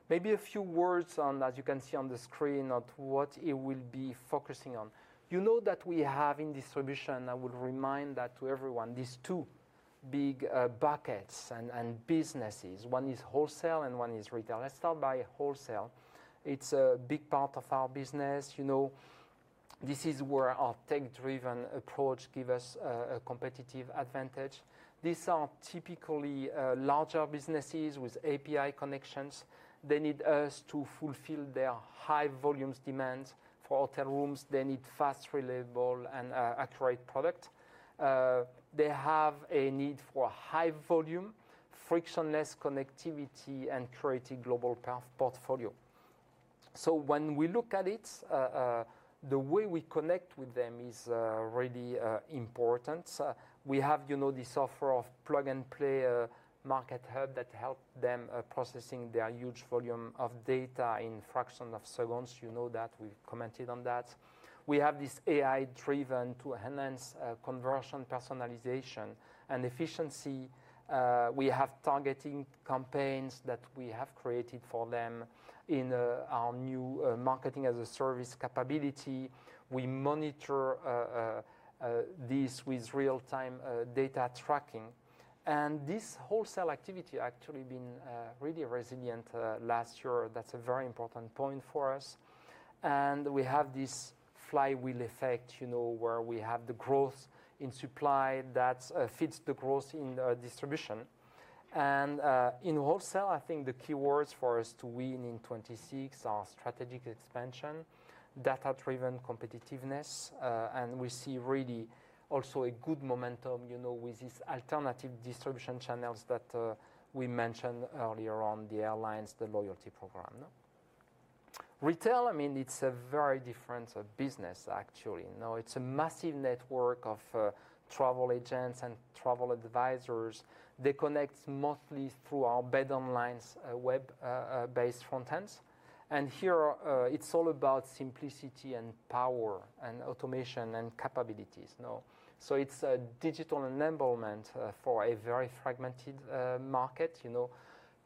Maybe a few words on, as you can see on the screen, what he will be focusing on. You know that we have in distribution, I will remind that to everyone, these two big buckets and businesses. One is wholesale and one is retail. Let's start by wholesale. It's a big part of our business. This is where our tech-driven approach gives us a competitive advantage. These are typically larger businesses with API connections. They need us to fulfill their high-volume demands for hotel rooms. They need fast, reliable, and accurate products. They have a need for high-volume, frictionless connectivity, and creating global portfolio. When we look at it, the way we connect with them is really important. We have this offer of plug-and-play market hub that helps them processing their huge volume of data in fractions of seconds. You know that. We commented on that. We have this AI-driven to enhance conversion personalization and efficiency. We have targeting campaigns that we have created for them in our new marketing as a service capability. We monitor this with real-time data tracking. This wholesale activity actually has been really resilient last year. That's a very important point for us. We have this flywheel effect where we have the growth in supply that fits the growth in distribution. In wholesale, I think the key words for us to win in 2026 are strategic expansion, data-driven competitiveness, and we see really also a good momentum with these alternative distribution channels that we mentioned earlier on, the airlines, the loyalty program. Retail, I mean, it's a very different business, actually. It's a massive network of travel agents and travel advisors. They connect mostly through our Bedsonline web-based front ends. Here, it's all about simplicity and power and automation and capabilities. It's a digital enablement for a very fragmented market,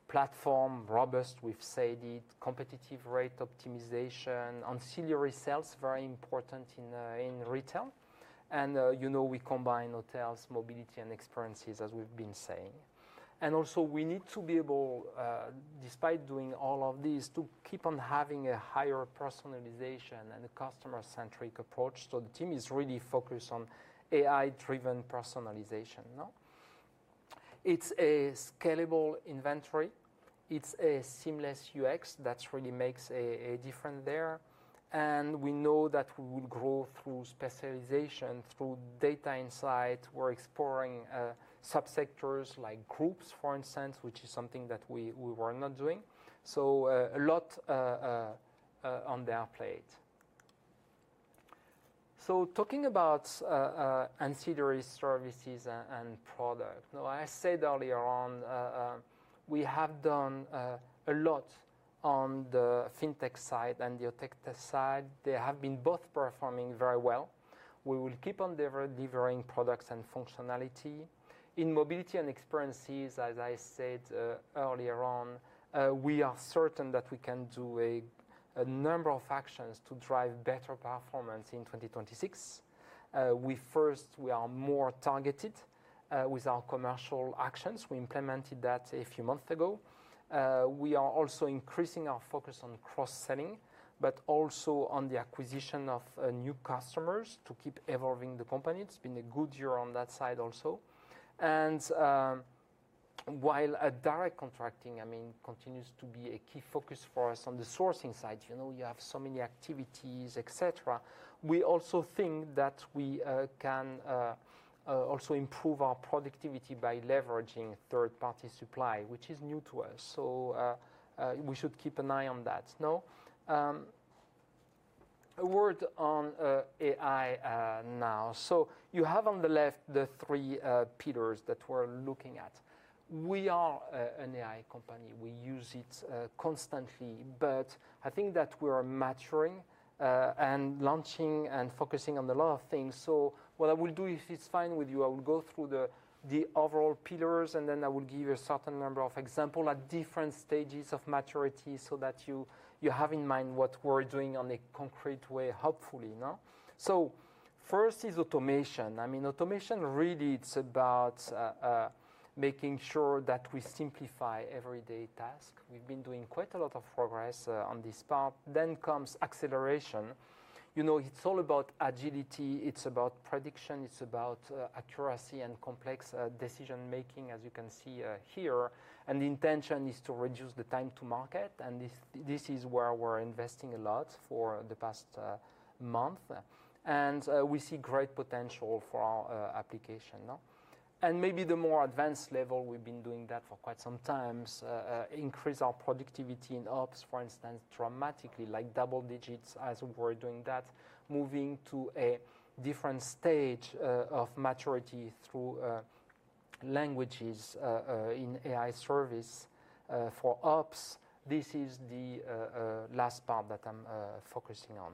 platform, robust with safety, competitive rate optimization, ancillary sales very important in retail. We combine hotels, mobility, and experiences, as we've been saying. We need to be able, despite doing all of this, to keep on having a higher personalization and a customer-centric approach. The team is really focused on AI-driven personalization. It is a scalable inventory. It is a seamless UX that really makes a difference there. We know that we will grow through specialization, through data insight. We are exploring subsectors like groups, for instance, which is something that we were not doing. A lot on their plate. Talking about ancillary services and product, I said earlier on we have done a lot on the fintech side and the tech side. They have been both performing very well. We will keep on delivering products and functionality. In mobility and experiences, as I said earlier on, we are certain that we can do a number of actions to drive better performance in 2026. First, we are more targeted with our commercial actions. We implemented that a few months ago. We are also increasing our focus on cross-selling, but also on the acquisition of new customers to keep evolving the company. It's been a good year on that side also. While direct contracting, I mean, continues to be a key focus for us on the sourcing side, you have so many activities, et cetera, we also think that we can also improve our productivity by leveraging third-party supply, which is new to us. We should keep an eye on that. A word on AI now. You have on the left the three pillars that we're looking at. We are an AI company. We use it constantly, but I think that we are maturing and launching and focusing on a lot of things. What I will do, if it's fine with you, I will go through the overall pillars, and then I will give you a certain number of examples at different stages of maturity so that you have in mind what we're doing in a concrete way, hopefully. First is automation. I mean, automation really, it's about making sure that we simplify everyday tasks. We've been doing quite a lot of progress on this part. Then comes acceleration. It's all about agility. It's about prediction. It's about accuracy and complex decision-making, as you can see here. The intention is to reduce the time to market. This is where we're investing a lot for the past month. We see great potential for our application. Maybe the more advanced level, we've been doing that for quite some time, increase our productivity in ops, for instance, dramatically, like double digits as we're doing that, moving to a different stage of maturity through languages in AI service for ops. This is the last part that I'm focusing on.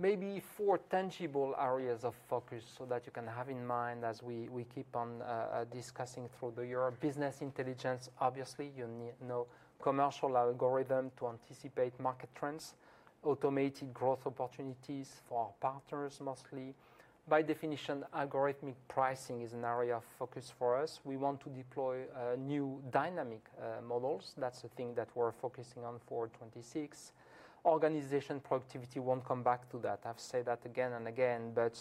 Maybe four tangible areas of focus so that you can have in mind as we keep on discussing through the year. Business intelligence, obviously. You need to know commercial algorithm to anticipate market trends, automated growth opportunities for our partners mostly. By definition, algorithmic pricing is an area of focus for us. We want to deploy new dynamic models. That's the thing that we're focusing on for 2026. Organization productivity won't come back to that. I've said that again and again, but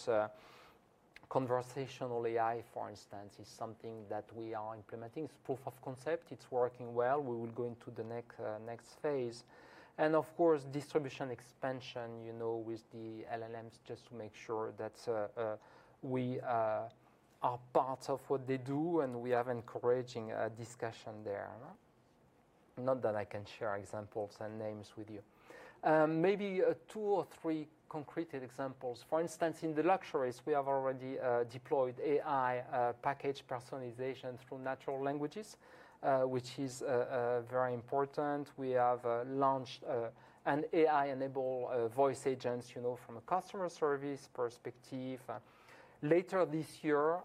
conversational AI, for instance, is something that we are implementing. It's proof of concept. It's working well. We will go into the next phase. Of course, distribution expansion with the LLMs just to make sure that we are part of what they do, and we have encouraging discussion there. Not that I can share examples and names with you. Maybe two or three concrete examples. For instance, in the luxuries, we have already deployed AI package personalization through natural languages, which is very important. We have launched an AI-enabled voice agents from a customer service perspective. Later this year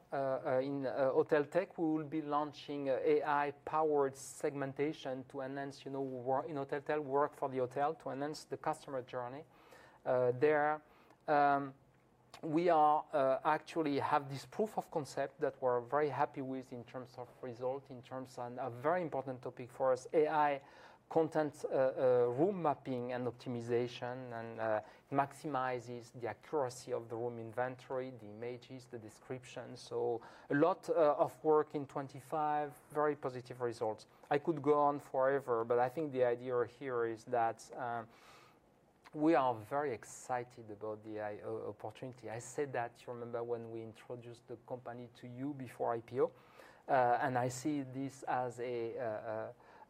in hotel tech, we will be launching AI-powered segmentation to enhance in hotel work for the hotel to enhance the customer journey there. We actually have this proof of concept that we're very happy with in terms of result, in terms of a very important topic for us, AI content room mapping and optimization, and maximizes the accuracy of the room inventory, the images, the descriptions. A lot of work in 2025, very positive results. I could go on forever, but I think the idea here is that we are very excited about the opportunity. I said that, you remember, when we introduced the company to you before IPO. I see this as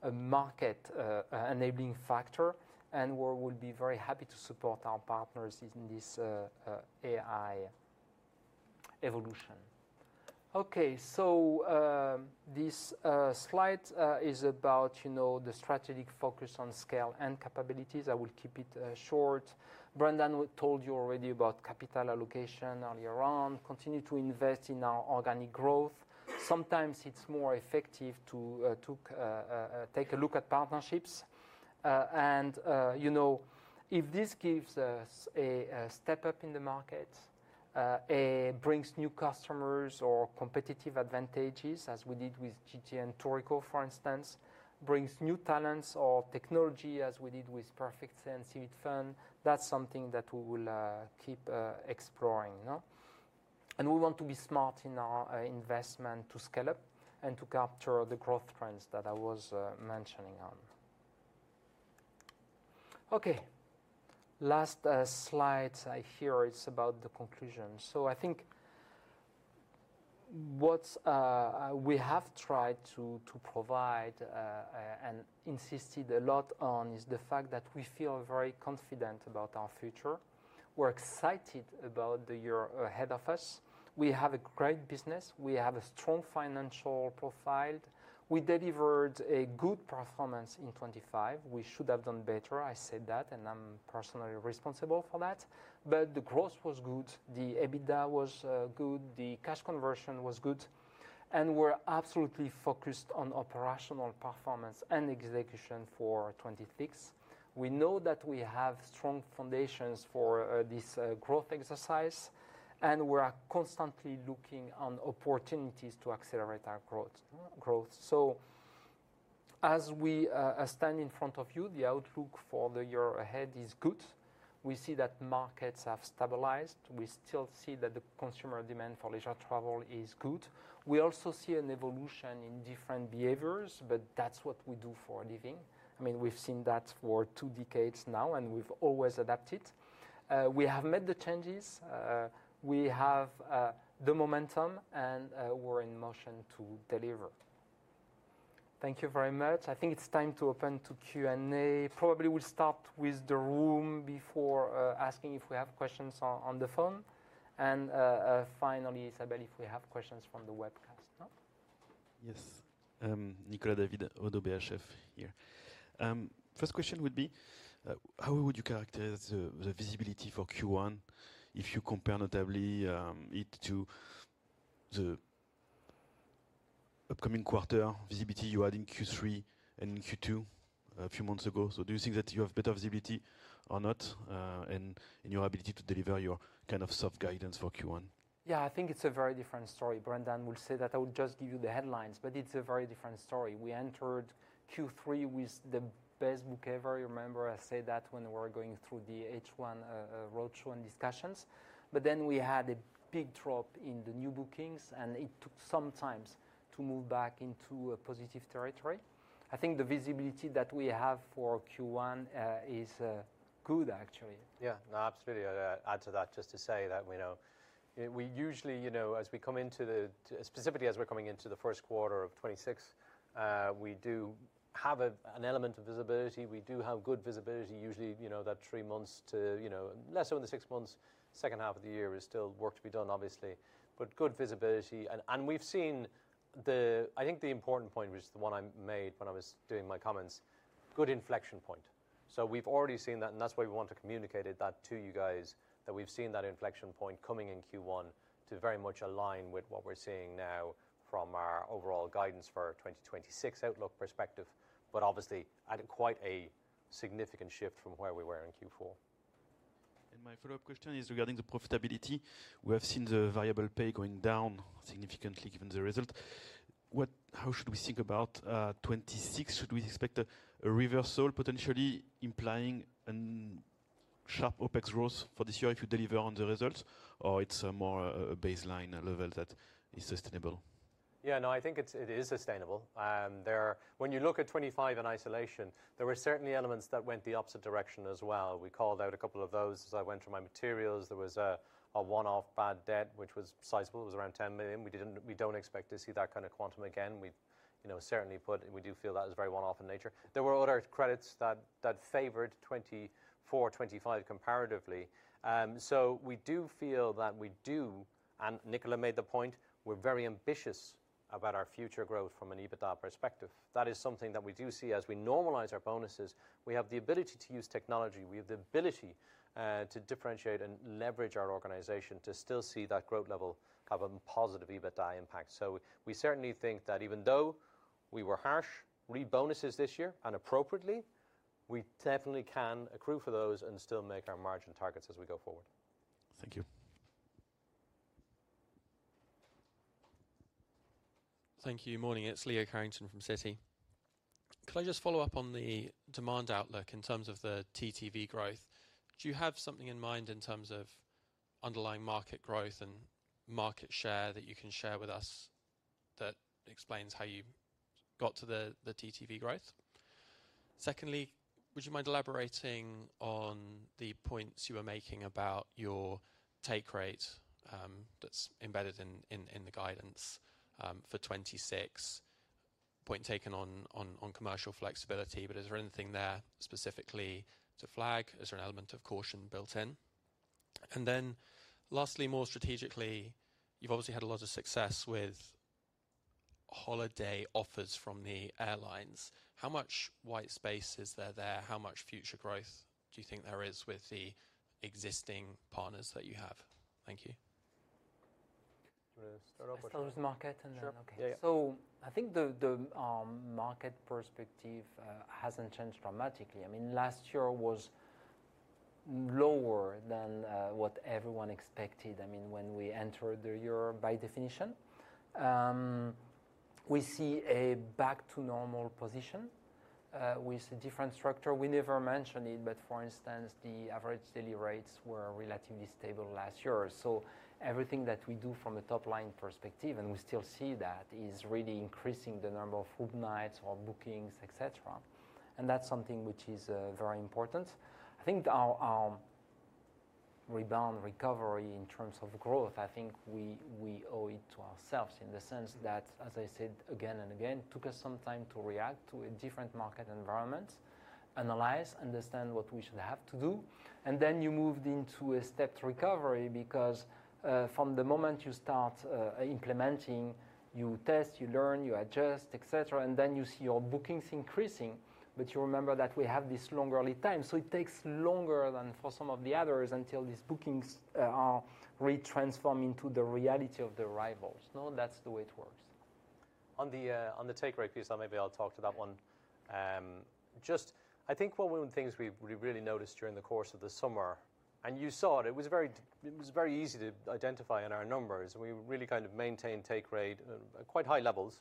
a market-enabling factor, and we will be very happy to support our partners in this AI evolution. Okay. This slide is about the strategic focus on scale and capabilities. I will keep it short. Brendan told you already about capital allocation earlier on. Continue to invest in our organic growth. Sometimes it's more effective to take a look at partnerships. If this gives us a step up in the market, it brings new customers or competitive advantages, as we did with GTA and Tourico, for instance, brings new talents or technology, as we did with PerfectStay and Civitfun. That's something that we will keep exploring. We want to be smart in our investment to scale up and to capture the growth trends that I was mentioning on. Okay. Last slide, I hear it's about the conclusion. I think what we have tried to provide and insisted a lot on is the fact that we feel very confident about our future. We're excited about the year ahead of us. We have a great business. We have a strong financial profile. We delivered a good performance in 2025. We should have done better. I said that, and I'm personally responsible for that. The growth was good. The EBITDA was good. The cash conversion was good. We're absolutely focused on operational performance and execution for 2026. We know that we have strong foundations for this growth exercise, and we're constantly looking on opportunities to accelerate our growth. As we stand in front of you, the outlook for the year ahead is good. We see that markets have stabilized. We still see that the consumer demand for leisure travel is good. We also see an evolution in different behaviors, but that's what we do for a living. I mean, we've seen that for two decades now, and we've always adapted. We have met the changes. We have the momentum, and we're in motion to deliver. Thank you very much. I think it's time to open to Q&A. Probably we'll start with the room before asking if we have questions on the phone. Finally, Isabel, if we have questions from the webcast. Yes. Nicolas David, ODDO BHF here. First question would be, how would you characterize the visibility for Q1 if you compare notably it to the upcoming quarter visibility you had in Q3 and in Q2 a few months ago? Do you think that you have better visibility or not in your ability to deliver your kind of soft guidance for Q1? Yeah, I think it's a very different story. Brendan will say that. I will just give you the headlines, but it's a very different story. We entered Q3 with the best book ever. You remember I said that when we were going through the H1 roadshow and discussions. But then we had a big drop in the new bookings, and it took some time to move back into positive territory. I think the visibility that we have for Q1 is good, actually. Yeah, absolutely. I'd add to that just to say that we usually, as we come into the specifically as we're coming into the first quarter of 2026, we do have an element of visibility. We do have good visibility. Usually, that three months to less than the six months, second half of the year is still work to be done, obviously. Good visibility. And we've seen the I think the important point was the one I made when I was doing my comments, good inflection point. We have already seen that, and that is why we want to communicate that to you guys, that we have seen that inflection point coming in Q1 to very much align with what we are seeing now from our overall guidance for a 2026 outlook perspective, but obviously at quite a significant shift from where we were in Q4. My follow-up question is regarding the profitability. We have seen the variable pay going down significantly given the result. How should we think about 2026? Should we expect a reversal potentially implying a sharp OpEx growth for this year if you deliver on the results, or is it more a baseline level that is sustainable? Yeah, no, I think it is sustainable. When you look at 2025 in isolation, there were certainly elements that went the opposite direction as well. We called out a couple of those as I went through my materials. There was a one-off bad debt, which was sizable. It was around 10 million. We do not expect to see that kind of quantum again. We certainly feel that is very one-off in nature. There were other credits that favored 2024, 2025 comparatively. We do feel that we do, and Nicolas made the point, we are very ambitious about our future growth from an EBITDA perspective. That is something that we do see as we normalize our bonuses. We have the ability to use technology. We have the ability to differentiate and leverage our organization to still see that growth level have a positive EBITDA impact. We certainly think that even though we were harsh regarding bonuses this year and appropriately, we definitely can accrue for those and still make our margin targets as we go forward. Thank you. Thank you. Morning. It is Leo Carrington from Citi. Could I just follow up on the demand outlook in terms of the TTV growth? Do you have something in mind in terms of underlying market growth and market share that you can share with us that explains how you got to the TTV growth? Secondly, would you mind elaborating on the points you were making about your take rate that's embedded in the guidance for 2026? Point taken on commercial flexibility, but is there anything there specifically to flag? Is there an element of caution built in? Lastly, more strategically, you've obviously had a lot of success with holiday offers from the airlines. How much white space is there there? How much future growth do you think there is with the existing partners that you have? Thank you. Sure. I'll start off with market. I think the market perspective hasn't changed dramatically. I mean, last year was lower than what everyone expected. I mean, when we entered the year by definition, we see a back-to-normal position with a different structure. We never mentioned it, but for instance, the average daily rates were relatively stable last year. Everything that we do from a top-line perspective, and we still see that, is really increasing the number of room nights or bookings, etc. That is something which is very important. I think our rebound recovery in terms of growth, I think we owe it to ourselves in the sense that, as I said again and again, it took us some time to react to a different market environment, analyze, understand what we should have to do. You moved into a stepped recovery because from the moment you start implementing, you test, you learn, you adjust, etc., and you see your bookings increasing. You remember that we have this long early time. It takes longer than for some of the others until these bookings are retransformed into the reality of the arrivals. That is the way it works. On the take rate piece, maybe I'll talk to that one. I think one of the things we really noticed during the course of the summer, and you saw it, it was very easy to identify in our numbers. We really kind of maintained take rate at quite high levels.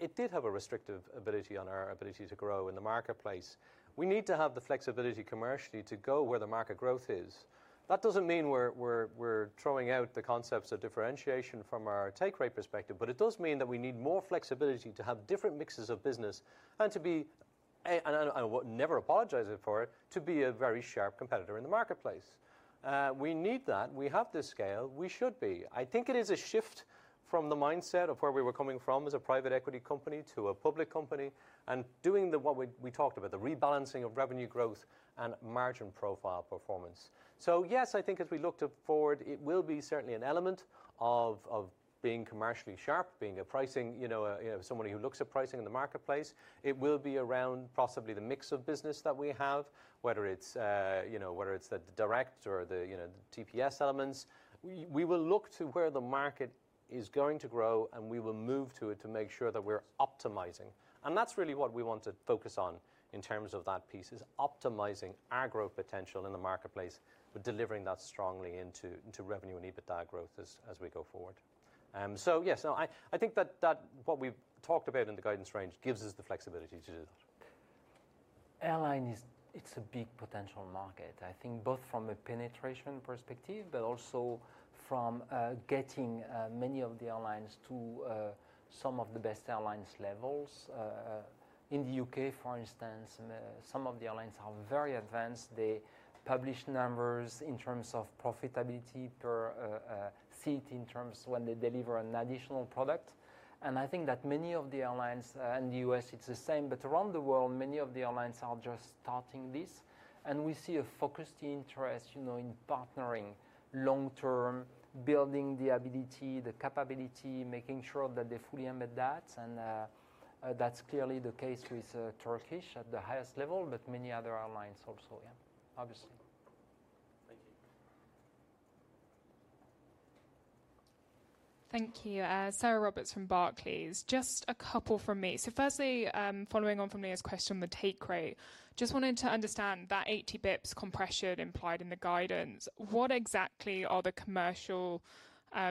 It did have a restrictive ability on our ability to grow in the marketplace. We need to have the flexibility commercially to go where the market growth is. That does not mean we are throwing out the concepts of differentiation from our take rate perspective, but it does mean that we need more flexibility to have different mixes of business and to be—and I never apologize for it—to be a very sharp competitor in the marketplace. We need that. We have this scale. We should be. I think it is a shift from the mindset of where we were coming from as a private equity company to a public company and doing what we talked about, the rebalancing of revenue growth and margin profile performance. Yes, I think as we look forward, it will be certainly an element of being commercially sharp, being a pricing—somebody who looks at pricing in the marketplace. It will be around possibly the mix of business that we have, whether it is the direct or the TPS elements. We will look to where the market is going to grow, and we will move to it to make sure that we're optimizing. That is really what we want to focus on in terms of that piece, optimizing our growth potential in the marketplace with delivering that strongly into revenue and EBITDA growth as we go forward. Yes, I think that what we've talked about in the guidance range gives us the flexibility to do that. Airline, it's a big potential market. I think both from a penetration perspective, but also from getting many of the airlines to some of the best airlines' levels. In the U.K., for instance, some of the airlines are very advanced. They publish numbers in terms of profitability per seat in terms when they deliver an additional product. I think that many of the airlines in the U.S., it's the same, but around the world, many of the airlines are just starting this. We see a focused interest in partnering long-term, building the ability, the capability, making sure that they fully embed that. That's clearly the case with Turkish at the highest level, but many other airlines also, yeah, obviously. Thank you. Thank you. Sarah Roberts from Barclays. Just a couple from me. Firstly, following on from Leo's question on the take rate, just wanted to understand that 80 basis points compression implied in the guidance. What exactly are the commercial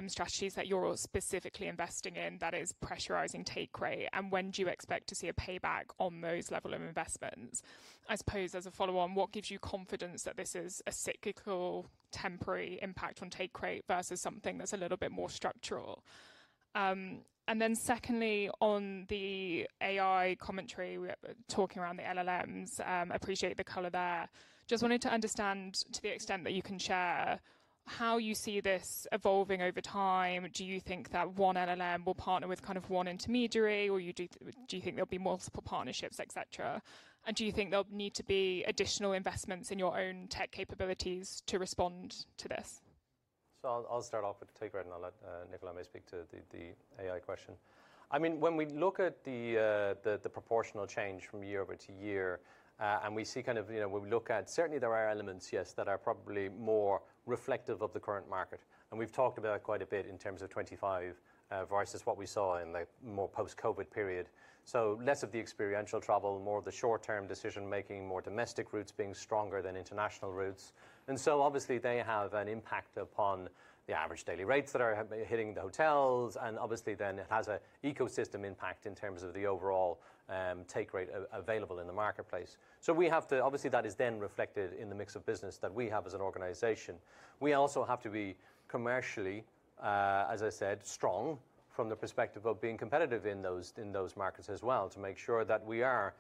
strategies that you're specifically investing in that is pressurizing take rate? When do you expect to see a payback on those levels of investments? I suppose as a follow-on, what gives you confidence that this is a cyclical temporary impact on take rate versus something that's a little bit more structural? Secondly, on the AI commentary, talking around the LLMs, appreciate the color there. Just wanted to understand to the extent that you can share how you see this evolving over time. Do you think that one LLM will partner with kind of one intermediary, or do you think there will be multiple partnerships, etc.? Do you think there will need to be additional investments in your own tech capabilities to respond to this? I'll start off with the take rate and I'll let Nicolas maybe speak to the AI question. I mean, when we look at the proportional change from year over to year and we see kind of when we look at certainly there are elements, yes, that are probably more reflective of the current market. We have talked about it quite a bit in terms of 2025 versus what we saw in the more post-COVID period. Less of the experiential travel, more of the short-term decision-making, more domestic routes being stronger than international routes. Obviously they have an impact upon the average daily rates that are hitting the hotels. Obviously then it has an ecosystem impact in terms of the overall take rate available in the marketplace. We have to obviously that is then reflected in the mix of business that we have as an organization. We also have to be commercially, as I said, strong from the perspective of being competitive in those markets as well to make sure that we are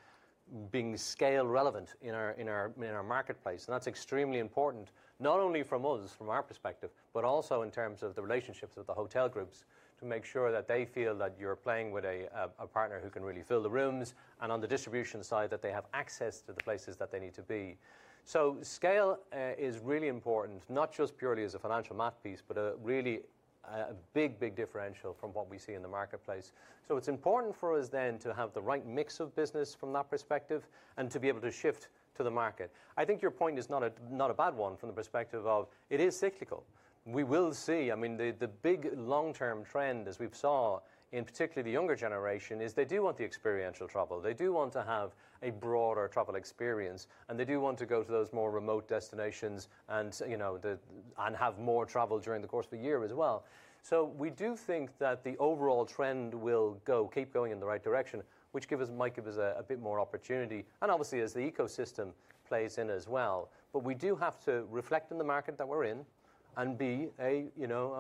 being scale relevant in our marketplace. That is extremely important, not only from our perspective, but also in terms of the relationships with the hotel groups to make sure that they feel that you are playing with a partner who can really fill the rooms and on the distribution side that they have access to the places that they need to be. Scale is really important, not just purely as a financial math piece, but really a big, big differential from what we see in the marketplace. It is important for us then to have the right mix of business from that perspective and to be able to shift to the market. I think your point is not a bad one from the perspective of it is cyclical. We will see, I mean, the big long-term trend as we've saw in particularly the younger generation is they do want the experiential travel. They do want to have a broader travel experience, and they do want to go to those more remote destinations and have more travel during the course of the year as well. We do think that the overall trend will keep going in the right direction, which might give us a bit more opportunity. Obviously, as the ecosystem plays in as well. We do have to reflect on the market that we're in and be a, I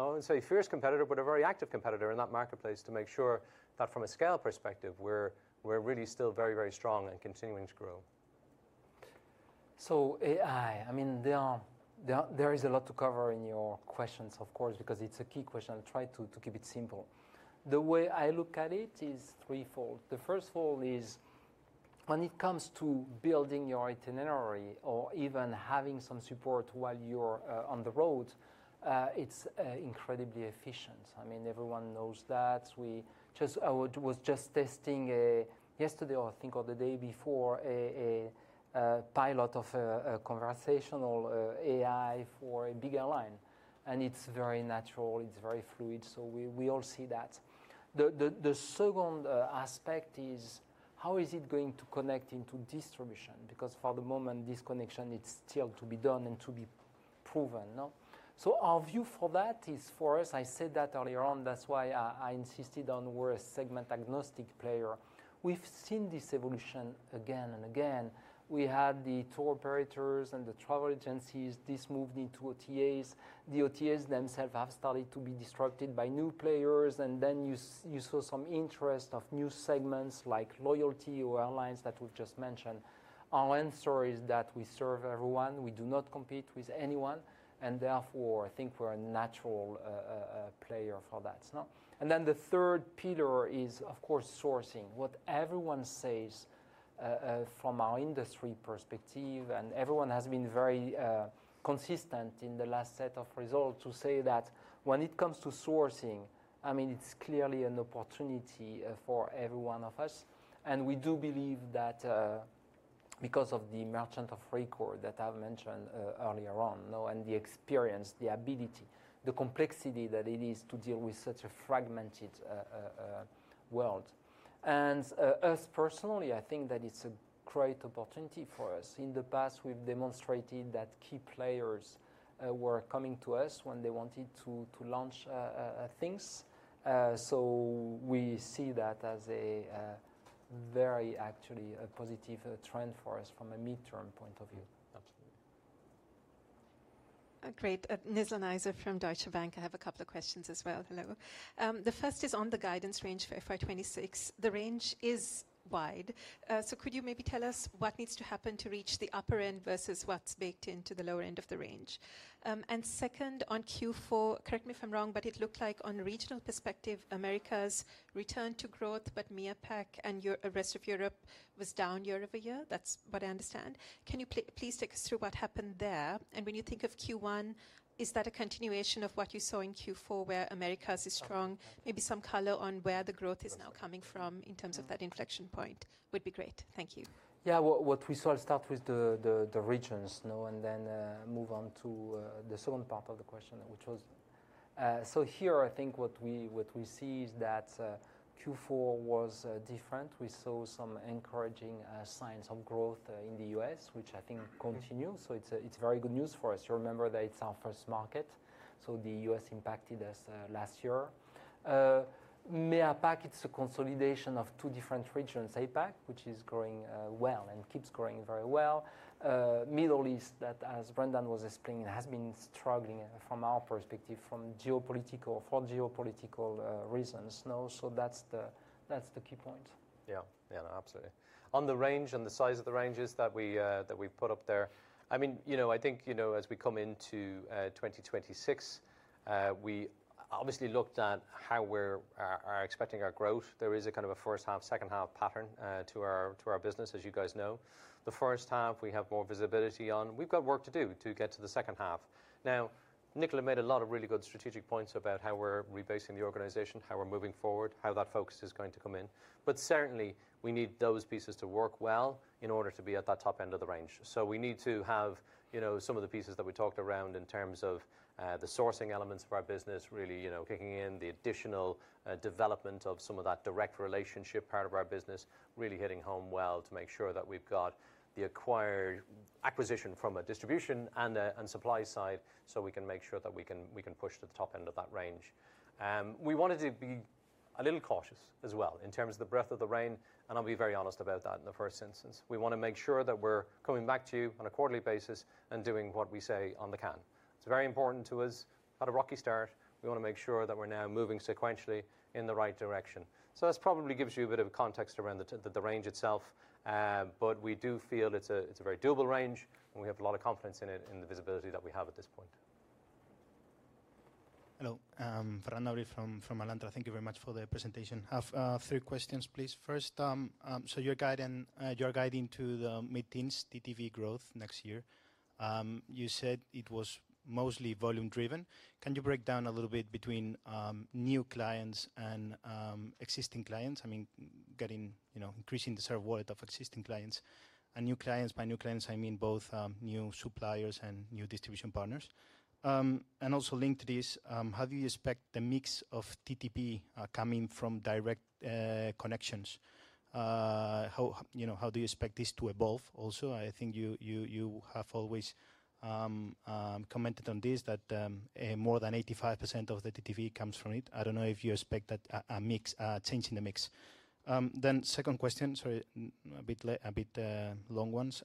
wouldn't say fierce competitor, but a very active competitor in that marketplace to make sure that from a scale perspective, we're really still very, very strong and continuing to grow. AI, I mean, there is a lot to cover in your questions, of course, because it's a key question. I'll try to keep it simple. The way I look at it is threefold. The first fold is when it comes to building your itinerary or even having some support while you're on the road, it's incredibly efficient. I mean, everyone knows that. We just were just testing yesterday or I think or the day before a pilot of a conversational AI for a big airline. It's very natural. It's very fluid. We all see that. The second aspect is how is it going to connect into distribution? Because for the moment, this connection, it's still to be done and to be proven. Our view for that is for us, I said that earlier on, that's why I insisted on we're a segment agnostic player. We've seen this evolution again and again. We had the tour operators and the travel agencies. This moved into OTAs. The OTAs themselves have started to be disrupted by new players. You saw some interest of new segments like loyalty or airlines that we've just mentioned. Our answer is that we serve everyone. We do not compete with anyone. Therefore, I think we're a natural player for that. The third pillar is, of course, sourcing. What everyone says from our industry perspective, and everyone has been very consistent in the last set of results to say that when it comes to sourcing, I mean, it's clearly an opportunity for every one of us. We do believe that because of the merchant of record that I have mentioned earlier on and the experience, the ability, the complexity that it is to deal with such a fragmented world. Us personally, I think that it is a great opportunity for us. In the past, we have demonstrated that key players were coming to us when they wanted to launch things. We see that as a very actually positive trend for us from a midterm point of view. Absolutely. Great. Nizla Naizer from Deutsche Bank. I have a couple of questions as well. Hello. The first is on the guidance range for 2026. The range is wide. Could you maybe tell us what needs to happen to reach the upper end versus what is baked into the lower end of the range? Second, on Q4, correct me if I'm wrong, but it looked like on a regional perspective, Americas returned to growth, but MEAPAC and the rest of Europe was down year over year. That's what I understand. Can you please take us through what happened there? When you think of Q1, is that a continuation of what you saw in Q4 where Americas is strong? Maybe some color on where the growth is now coming from in terms of that inflection point would be great. Thank you. Yeah, what we saw, I'll start with the regions and then move on to the second part of the question, which was here, I think what we see is that Q4 was different. We saw some encouraging signs of growth in the US, which I think continue. It's very good news for us. You remember that it's our first market. The U.S. impacted us last year. MEAPAC, it's a consolidation of two different regions, APAC, which is growing well and keeps growing very well. Middle East, that as Brendan was explaining, has been struggling from our perspective for geopolitical reasons. That's the key point. Yeah, yeah, absolutely. On the range and the size of the ranges that we've put up there, I mean, I think as we come into 2026, we obviously looked at how we're expecting our growth. There is a kind of a first half, second half pattern to our business, as you guys know. The first half, we have more visibility on. We've got work to do to get to the second half. Now, Nicolas made a lot of really good strategic points about how we're rebasing the organization, how we're moving forward, how that focus is going to come in. Certainly, we need those pieces to work well in order to be at that top end of the range. We need to have some of the pieces that we talked around in terms of the sourcing elements of our business really kicking in, the additional development of some of that direct relationship part of our business really hitting home well to make sure that we've got the acquired acquisition from a distribution and supply side so we can make sure that we can push to the top end of that range. We wanted to be a little cautious as well in terms of the breadth of the range. I'll be very honest about that in the first instance. We want to make sure that we're coming back to you on a quarterly basis and doing what we say on the can. It's very important to us. Had a rocky start. We want to make sure that we're now moving sequentially in the right direction. That probably gives you a bit of context around the range itself. We do feel it's a very doable range, and we have a lot of confidence in it and the visibility that we have at this point. Hello. [Fran Javi] from Alantra. Thank you very much for the presentation. I have three questions, please. First, you're guiding to the mid-teens TTV growth next year. You said it was mostly volume-driven. Can you break down a little bit between new clients and existing clients? I mean, getting increasing the share of wallet of existing clients and new clients. By new clients, I mean both new suppliers and new distribution partners. Also linked to this, how do you expect the mix of TTV coming from direct connections? How do you expect this to evolve also? I think you have always commented on this that more than 85% of the TTV comes from it. I do not know if you expect a changing the mix. Second question, sorry, a bit long ones.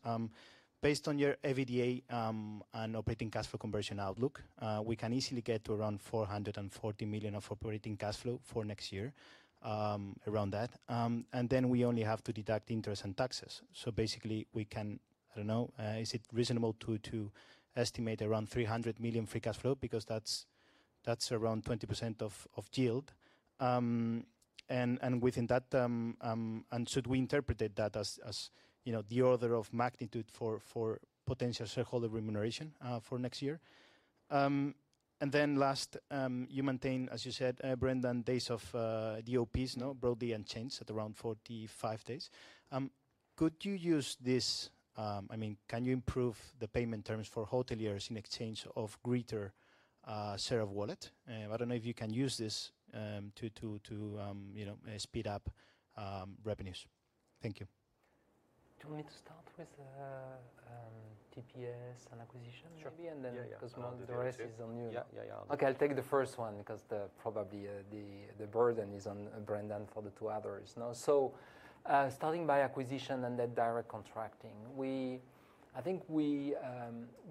Based on your EBITDA and operating cash flow conversion outlook, we can easily get to around 440 million of operating cash flow for next year, around that. We only have to deduct interest and taxes. Basically, we can, I do not know, is it reasonable to estimate around 300 million free cash flow because that is around 20% of yield? Within that, and should we interpret that as the order of magnitude for potential shareholder remuneration for next year? Last, you maintain, as you said, Brendan, days of DOPs, broadly unchanged at around 45 days. Could you use this, I mean, can you improve the payment terms for hoteliers in exchange of greater share of wallet? I do not know if you can use this to speed up revenues. Thank you. Do you want me to start with TPS and acquisition? Sure. Maybe and then because the rest is on you. Yeah, yeah, yeah. Okay, I'll take the first one because probably the burden is on Brendan for the two others. Starting by acquisition and then direct contracting, I think we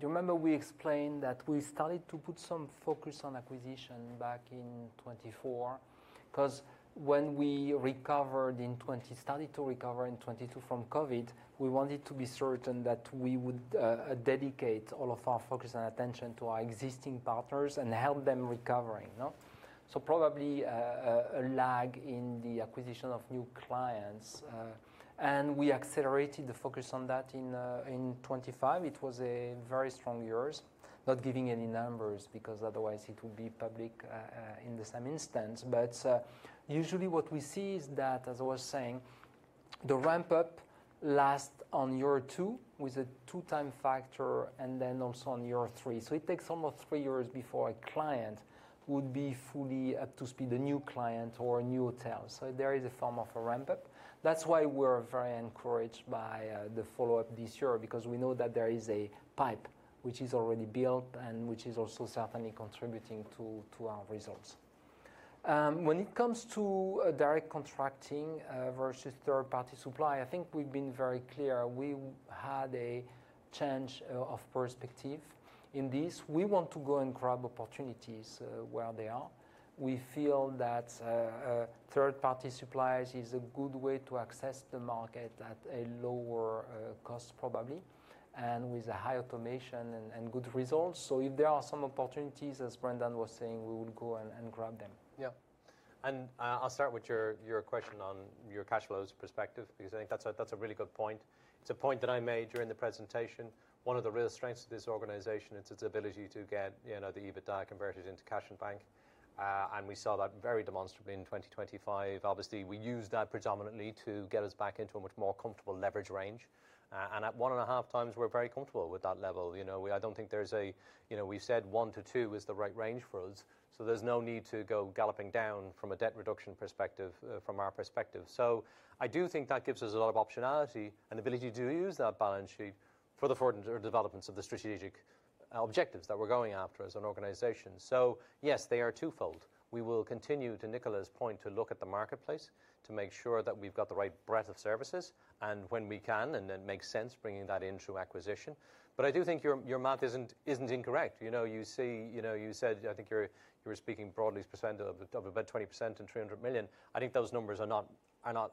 do remember we explained that we started to put some focus on acquisition back in 2024 because when we recovered in 2020, started to recover in 2022 from COVID, we wanted to be certain that we would dedicate all of our focus and attention to our existing partners and help them recovering. Probably a lag in the acquisition of new clients. We accelerated the focus on that in 2025. It was a very strong year, not giving any numbers because otherwise it would be public in the same instance. Usually what we see is that, as I was saying, the ramp-up lasts on year two with a two-time factor and then also on year three. It takes almost three years before a client would be fully up to speed, a new client or a new hotel. There is a form of a ramp-up. That is why we are very encouraged by the follow-up this year because we know that there is a pipe which is already built and which is also certainly contributing to our results. When it comes to direct contracting versus third-party supply, I think we have been very clear. We had a change of perspective in this. We want to go and grab opportunities where they are. We feel that third-party supplies is a good way to access the market at a lower cost probably and with a high automation and good results. If there are some opportunities, as Brendan was saying, we will go and grab them. Yeah. I'll start with your question on your cash flows perspective because I think that's a really good point. It's a point that I made during the presentation. One of the real strengths of this organization is its ability to get the EBITDA converted into cash and bank. We saw that very demonstrably in 2025. Obviously, we use that predominantly to get us back into a much more comfortable leverage range. At 1.5 times, we're very comfortable with that level. I don't think there's a, we've said one to two is the right range for us. There is no need to go galloping down from a debt reduction perspective from our perspective. I do think that gives us a lot of optionality and ability to use that balance sheet for the developments of the strategic objectives that we are going after as an organization. Yes, they are twofold. We will continue, to Nicolas's point, to look at the marketplace to make sure that we have the right breadth of services and when we can and it makes sense, bringing that into acquisition. I do think your math is not incorrect. You said, I think you were speaking broadly, percent of about 20% and 300 million. I think those numbers are not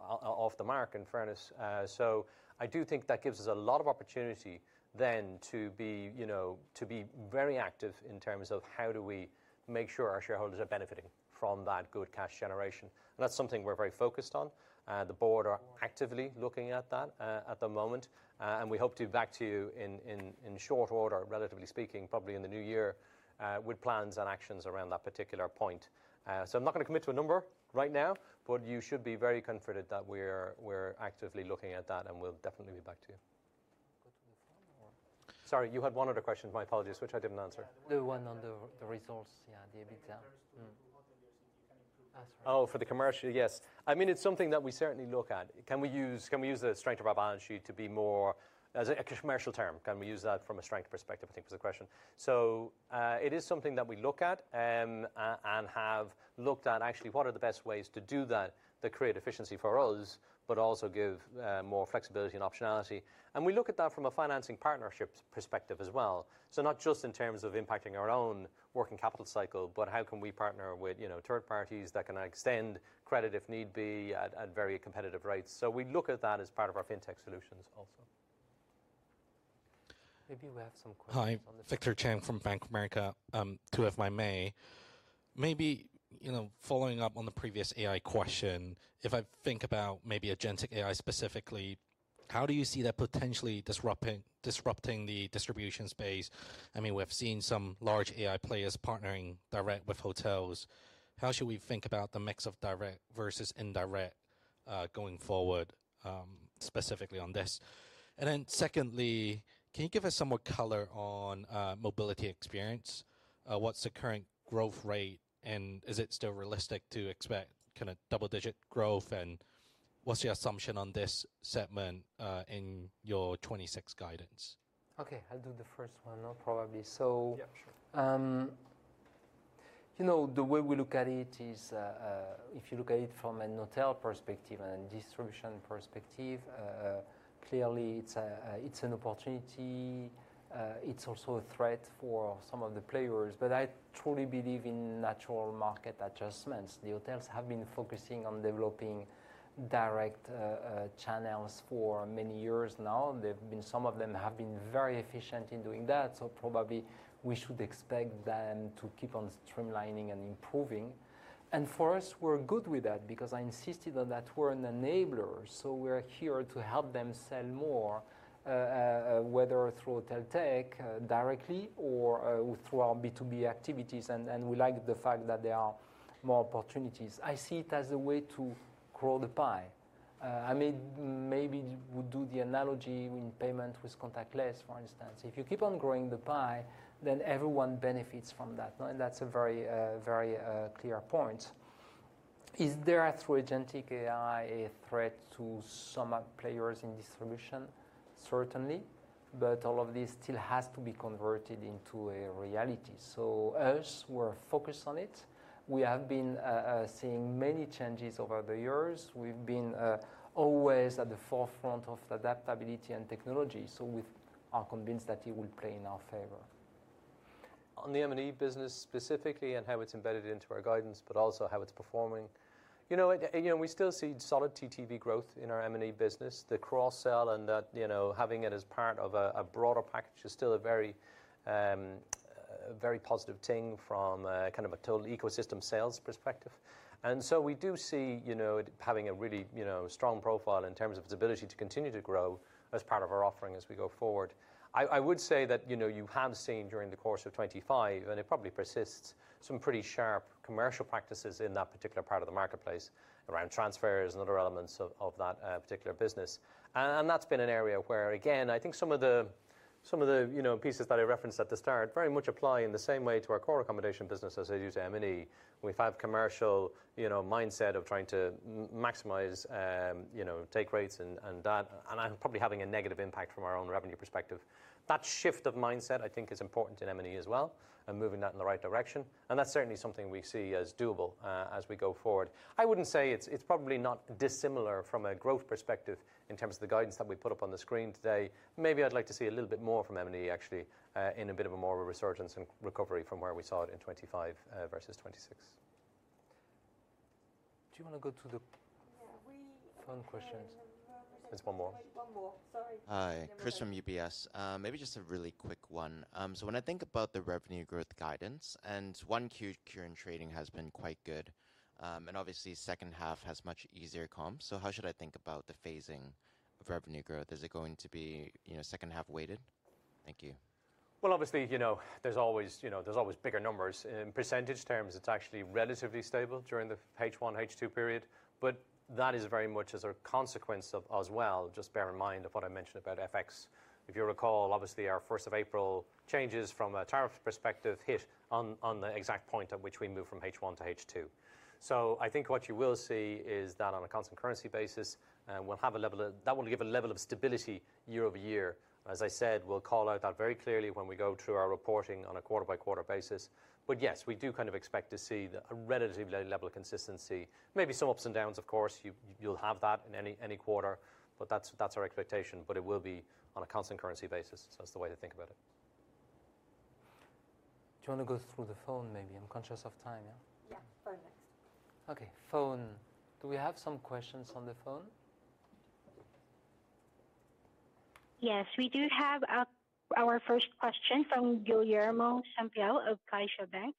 off the mark in fairness. I do think that gives us a lot of opportunity then to be very active in terms of how do we make sure our shareholders are benefiting from that good cash generation. That is something we are very focused on. The board are actively looking at that at the moment. We hope to be back to you in short order, relatively speaking, probably in the new year with plans and actions around that particular point. I am not going to commit to a number right now, but you should be very confident that we are actively looking at that and we will definitely be back to you. Sorry, you had one other question. My apologies, which I did not answer. The one on the results, yeah, the EBITDA. Oh, for the commercial, yes. I mean, it is something that we certainly look at. Can we use the strength of our balance sheet to be more as a commercial term? Can we use that from a strength perspective, I think, was the question. It is something that we look at and have looked at actually what are the best ways to do that that create efficiency for us, but also give more flexibility and optionality. We look at that from a financing partnership perspective as well. Not just in terms of impacting our own working capital cycle, but how can we partner with third parties that can extend credit if need be at very competitive rates. We look at that as part of our fintech solutions also. Maybe we have some questions. Hi, Victor Cheng from Bank of America. To FYI, maybe following up on the previous AI question, if I think about maybe agentic AI specifically, how do you see that potentially disrupting the distribution space? I mean, we've seen some large AI players partnering direct with hotels. How should we think about the mix of direct versus indirect going forward specifically on this? Secondly, can you give us some more color on mobility experience? What's the current growth rate and is it still realistic to expect kind of double-digit growth? What's your assumption on this segment in your 2026 guidance? Okay, I'll do the first one, probably. The way we look at it is if you look at it from a hotel perspective and a distribution perspective, clearly it's an opportunity. It's also a threat for some of the players, but I truly believe in natural market adjustments. The hotels have been focusing on developing direct channels for many years now. Some of them have been very efficient in doing that. We should expect them to keep on streamlining and improving. For us, we're good with that because I insisted on that we're an enabler. We're here to help them sell more, whether through hotel tech directly or through our B2B activities. We like the fact that there are more opportunities. I see it as a way to grow the pie. I maybe would do the analogy in payment with contactless, for instance. If you keep on growing the pie, then everyone benefits from that. That's a very clear point. Is there a threat to agentic AI, a threat to some players in distribution? Certainly, but all of this still has to be converted into a reality. We are focused on it. We have been seeing many changes over the years. We've been always at the forefront of adaptability and technology. We are convinced that it will play in our favor. On the M&E business specifically and how it's embedded into our guidance, but also how it's performing, we still see solid TTV growth in our M&E business. The cross-sell and having it as part of a broader package is still a very positive thing from kind of a total ecosystem sales perspective. We do see it having a really strong profile in terms of its ability to continue to grow as part of our offering as we go forward. I would say that you have seen during the course of 2025, and it probably persists, some pretty sharp commercial practices in that particular part of the marketplace around transfers and other elements of that particular business. That's been an area where, again, I think some of the pieces that I referenced at the start very much apply in the same way to our core accommodation business as it is M&E. We've had a commercial mindset of trying to maximize take rates and that, and probably having a negative impact from our own revenue perspective. That shift of mindset, I think, is important in M&E as well and moving that in the right direction. That's certainly something we see as doable as we go forward. I wouldn't say it's probably not dissimilar from a growth perspective in terms of the guidance that we put up on the screen today. Maybe I'd like to see a little bit more from M&E actually in a bit of a more resurgence and recovery from where we saw it in 2025 versus 2026. Do you want to go to the fun questions? There's one more. One more, sorry. Hi, Chris from UBS. Maybe just a really quick one. When I think about the revenue growth guidance, and 1Q curing trading has been quite good. Obviously, second half has much easier comps. How should I think about the phasing of revenue growth? Is it going to be second half weighted? Thank you. Obviously, there's always bigger numbers. In percentage terms, it's actually relatively stable during the H1, H2 period. That is very much as a consequence of, as well, just bear in mind what I mentioned about FX. If you recall, obviously, our 1st of April changes from a tariff perspective hit on the exact point at which we move from H1 to H2. I think what you will see is that on a constant currency basis, we will have a level that will give a level of stability year over year. As I said, we will call out that very clearly when we go through our reporting on a quarter-by-quarter basis. Yes, we do kind of expect to see a relatively low level of consistency. Maybe some ups and downs, of course. You will have that in any quarter, but that is our expectation. It will be on a constant currency basis. That is the way to think about it. Do you want to go through the phone maybe? I'm conscious of time. Yeah, phone next. Okay, phone. Do we have some questions on the phone? Yes, we do have our first question from Guilherme Sampaio of CaixaBank.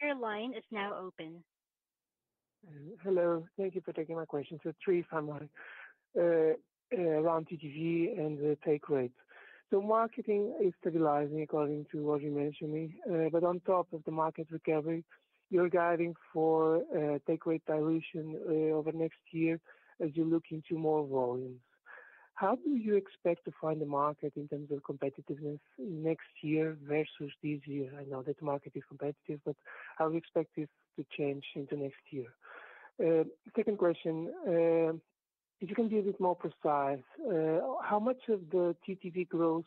Your line is now open. Hello, thank you for taking my question. Three, if I'm right, around TTV and the take rates. Marketing is stabilizing according to what you mentioned to me. On top of the market recovery, you're guiding for take rate dilution over next year as you look into more volumes. How do you expect to find the market in terms of competitiveness next year versus this year? I know that the market is competitive, but how do you expect this to change into next year? Second question, if you can be a bit more precise, how much of the TTV growth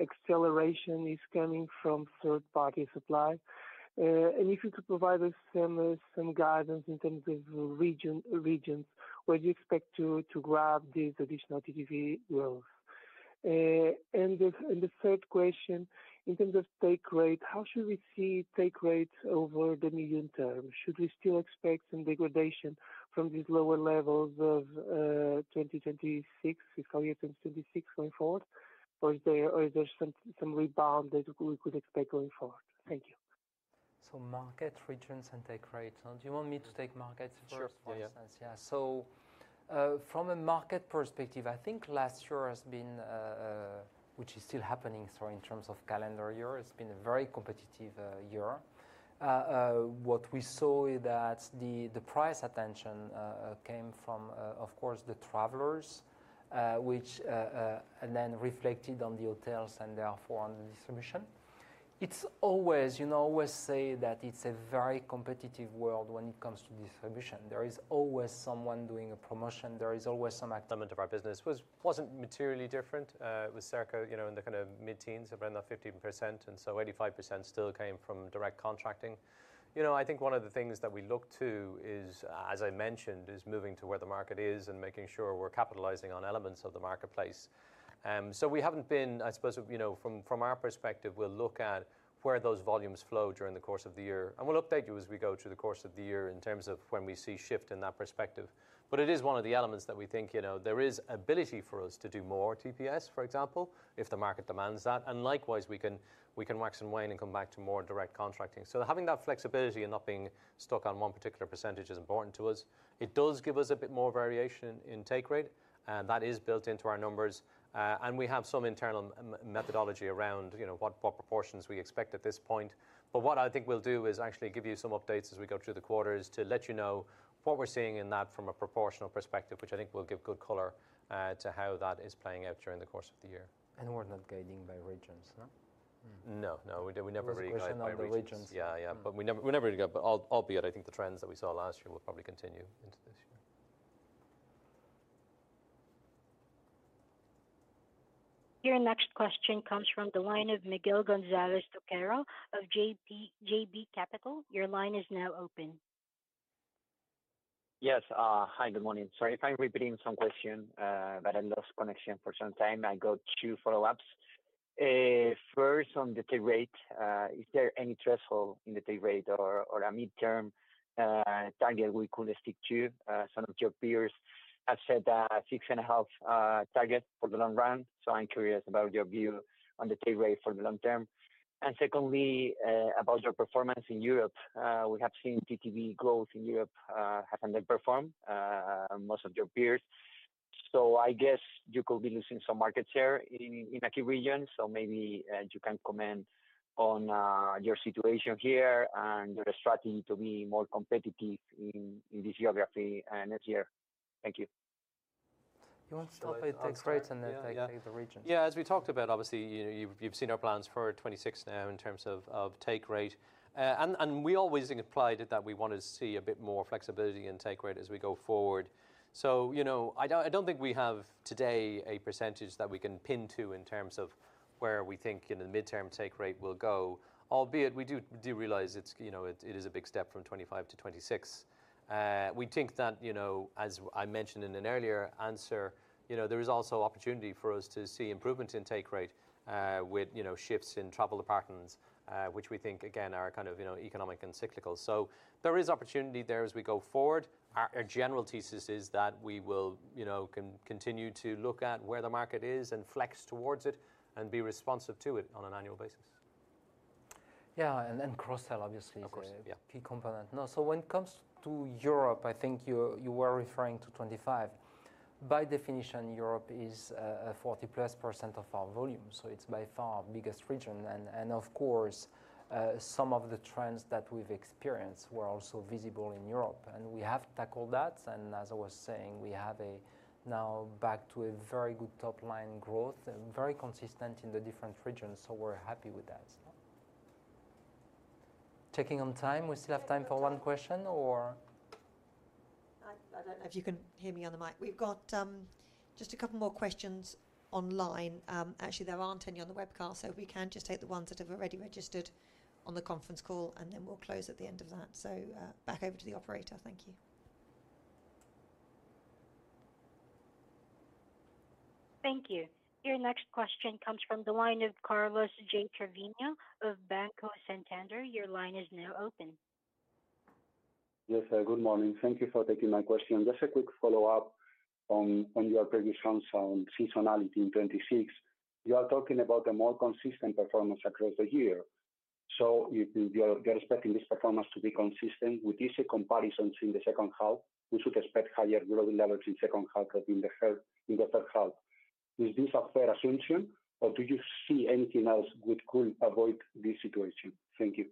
acceleration is coming from third-party supply? If you could provide us some guidance in terms of regions where you expect to grab this additional TTV growth. The third question, in terms of take rate, how should we see take rates over the medium term? Should we still expect some degradation from these lower levels of 2026, fiscal year 2026 going forward? Is there some rebound that we could expect going forward? Thank you. Market, regions, and take rates. Do you want me to take markets first? Sure, yeah. Yeah. From a market perspective, I think last year has been, which is still happening in terms of calendar year, it's been a very competitive year. What we saw is that the price attention came from, of course, the travelers, which then reflected on the hotels and therefore on the distribution. I always say that it's a very competitive world when it comes to distribution. There is always someone doing a promotion. There is always some element of our business wasn't materially different. It was service contracts in the kind of mid-teens, around that 15%. And so 85% still came from direct contracting. I think one of the things that we look to is, as I mentioned, is moving to where the market is and making sure we're capitalizing on elements of the marketplace. We haven't been, I suppose, from our perspective, we'll look at where those volumes flow during the course of the year. We will update you as we go through the course of the year in terms of when we see a shift in that perspective. It is one of the elements that we think there is ability for us to do more TPS, for example, if the market demands that. Likewise, we can wax and wane and come back to more direct contracting. Having that flexibility and not being stuck on one particular percentage is important to us. It does give us a bit more variation in take rate. That is built into our numbers. We have some internal methodology around what proportions we expect at this point. What I think we'll do is actually give you some updates as we go through the quarters to let you know what we're seeing in that from a proportional perspective, which I think will give good color to how that is playing out during the course of the year. We're not guiding by regions, no? No, no. We never really guide by regions. Yeah, yeah. We never really guide. Albeit, I think the trends that we saw last year will probably continue into this year. Your next question comes from the line of Miguel González Toquero of JB Capital. Your line is now open. Yes. Hi, good morning. Sorry if I'm repeating some question. I lost connection for some time. I got two follow-ups. First, on the take rate, is there any threshold in the take rate or a mid-term target we could stick to? Some of your peers have said that six and a half target for the long run. I am curious about your view on the take rate for the long term. Secondly, about your performance in Europe. We have seen TTV growth in Europe has underperformed most of your peers. I guess you could be losing some market share in a key region. Maybe you can comment on your situation here and your strategy to be more competitive in this geography next year. Thank you. You want to start with the take rate and the region? Yeah, as we talked about, obviously, you have seen our plans for 2026 now in terms of take rate. We always implied that we wanted to see a bit more flexibility in take rate as we go forward. I don't think we have today a percentage that we can pin to in terms of where we think in the midterm take rate will go. Albeit, we do realize it is a big step from 2025 to 2026. We think that, as I mentioned in an earlier answer, there is also opportunity for us to see improvement in take rate with shifts in travel departments, which we think, again, are kind of economic and cyclical. There is opportunity there as we go forward. Our general thesis is that we will continue to look at where the market is and flex towards it and be responsive to it on an annual basis. Yeah, and cross-sell, obviously, is a key component. When it comes to Europe, I think you were referring to 2025. By definition, Europe is 40%+ of our volume. It is by far our biggest region. Of course, some of the trends that we have experienced were also visible in Europe. We have tackled that. As I was saying, we are now back to very good top-line growth, very consistent in the different regions. We are happy with that. Taking on time, we still have time for one question or? I do not know if you can hear me on the mic. We have just a couple more questions online. Actually, there are not any on the webcast. If we can just take the ones that have already registered on the conference call, then we will close at the end of that. Back over to the operator. Thank you. Thank you. Your next question comes from the line of Carlos J. Treviño of Banco Santander. Your line is now open. Yes, good morning. Thank you for taking my question. Just a quick follow-up on your previous answer on seasonality in 2026. You are talking about a more consistent performance across the year. If you're expecting this performance to be consistent with easy comparisons in the second half, we should expect higher growth levels in the second half than in the third half. Is this a fair assumption or do you see anything else that could avoid this situation? Thank you.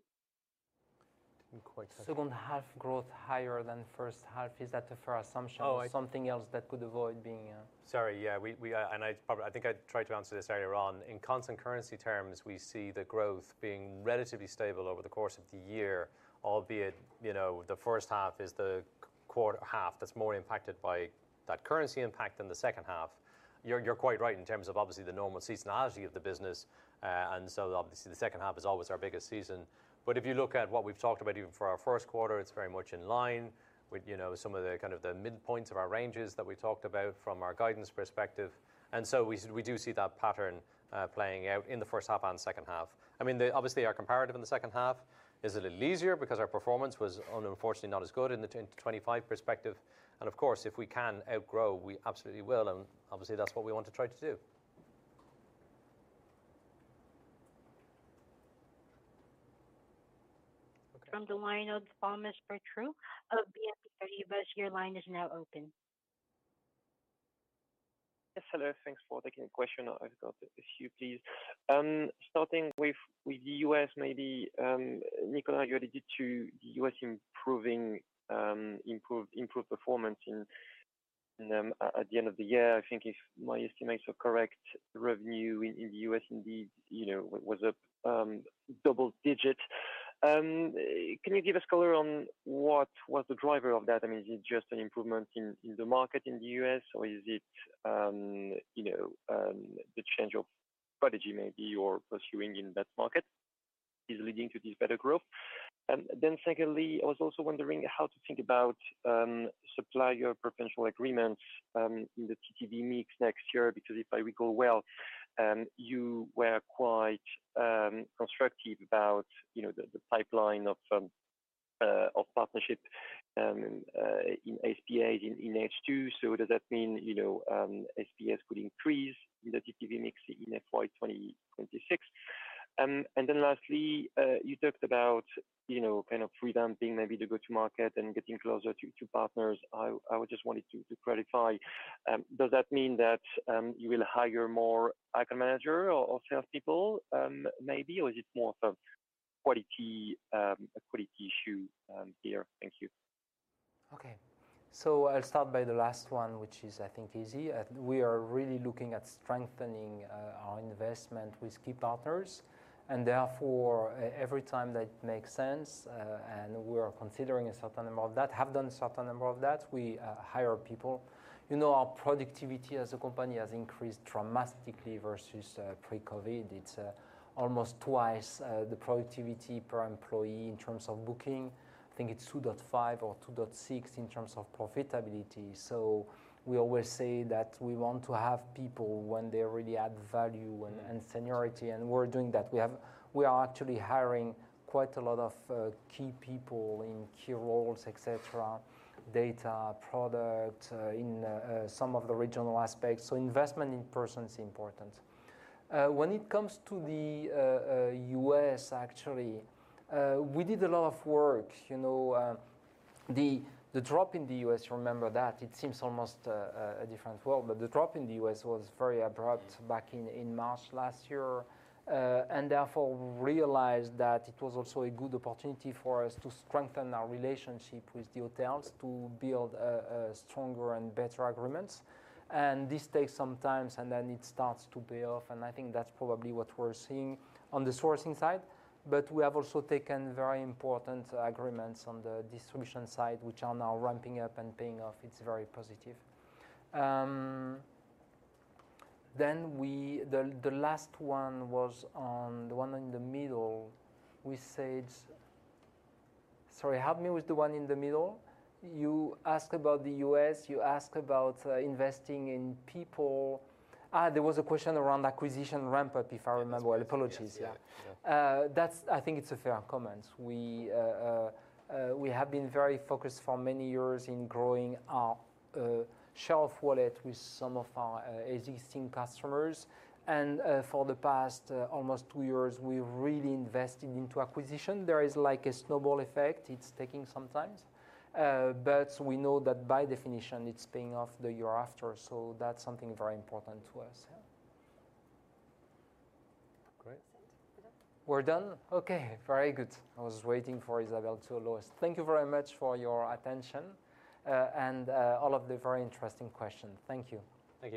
Second half growth higher than first half. Is that a fair assumption or something else that could avoid being? Sorry, yeah. I think I tried to answer this earlier on. In constant currency terms, we see the growth being relatively stable over the course of the year, albeit the first half is the quarter half that's more impacted by that currency impact than the second half. You're quite right in terms of obviously the normal seasonality of the business. Obviously, the second half is always our biggest season. If you look at what we've talked about even for our first quarter, it's very much in line with some of the kind of the midpoints of our ranges that we talked about from our guidance perspective. We do see that pattern playing out in the first half and second half. I mean, obviously, our comparative in the second half is a little easier because our performance was unfortunately not as good in the 2025 perspective. Of course, if we can outgrow, we absolutely will. Obviously, that's what we want to try to do. From the line of Thomas Poutrieux of BNP Paribas, your line is now open. Yes, hello. Thanks for taking the question. I've got a few, please. Starting with the U.S., maybe, Nicolas, you alluded to the U.S. improved performance in. At the end of the year, I think if my estimates are correct, revenue in the U.S. indeed was a double digit. Can you give us color on what was the driver of that? I mean, is it just an improvement in the market in the U.S., or is it the change of strategy maybe or pursuing in that market is leading to this better growth? Secondly, I was also wondering how to think about supplier preferential agreements in the TTV mix next year, because if I recall well, you were quite constructive about the pipeline of partnership in HBA in H2. Does that mean HBAs could increase in the TTV mix in FY 2026? Lastly, you talked about kind of revamping maybe the go-to-market and getting closer to partners. I just wanted to clarify. Does that mean that you will hire more account managers or salespeople maybe, or is it more of a quality issue here? Thank you. Okay. I will start by the last one, which is, I think, easy. We are really looking at strengthening our investment with key partners. Therefore, every time that makes sense, and we are considering a certain number of that, have done a certain number of that, we hire people. Our productivity as a company has increased dramatically versus pre-COVID. It is almost twice the productivity per employee in terms of booking. I think it is 2.5 or 2.6 in terms of profitability. We always say that we want to have people when they really add value and seniority, and we are doing that. We are actually hiring quite a lot of key people in key roles, etc., data, product, in some of the regional aspects. Investment in person is important. When it comes to the U.S., actually, we did a lot of work. The drop in the U.S., remember that? It seems almost a different world, but the drop in the U.S. was very abrupt back in March last year. Therefore, we realized that it was also a good opportunity for us to strengthen our relationship with the hotels, to build stronger and better agreements. This takes some time, and then it starts to pay off. I think that's probably what we're seeing on the sourcing side. We have also taken very important agreements on the distribution side, which are now ramping up and paying off. It's very positive. The last one was on the one in the middle. Sorry, help me with the one in the middle. You asked about the U.S. You asked about investing in people. There was a question around acquisition ramp-up, if I remember well. Apologies. Yeah. I think it's a fair comment. We have been very focused for many years in growing our shelf wallet with some of our existing customers. For the past almost two years, we really invested into acquisition. There is like a snowball effect. It's taking some time. We know that by definition, it's paying off the year after. That's something very important to us. Great. We're done? Okay. Very good. I was waiting for Isabel to lower us. Thank you very much for your attention and all of the very interesting questions. Thank you. Thank you.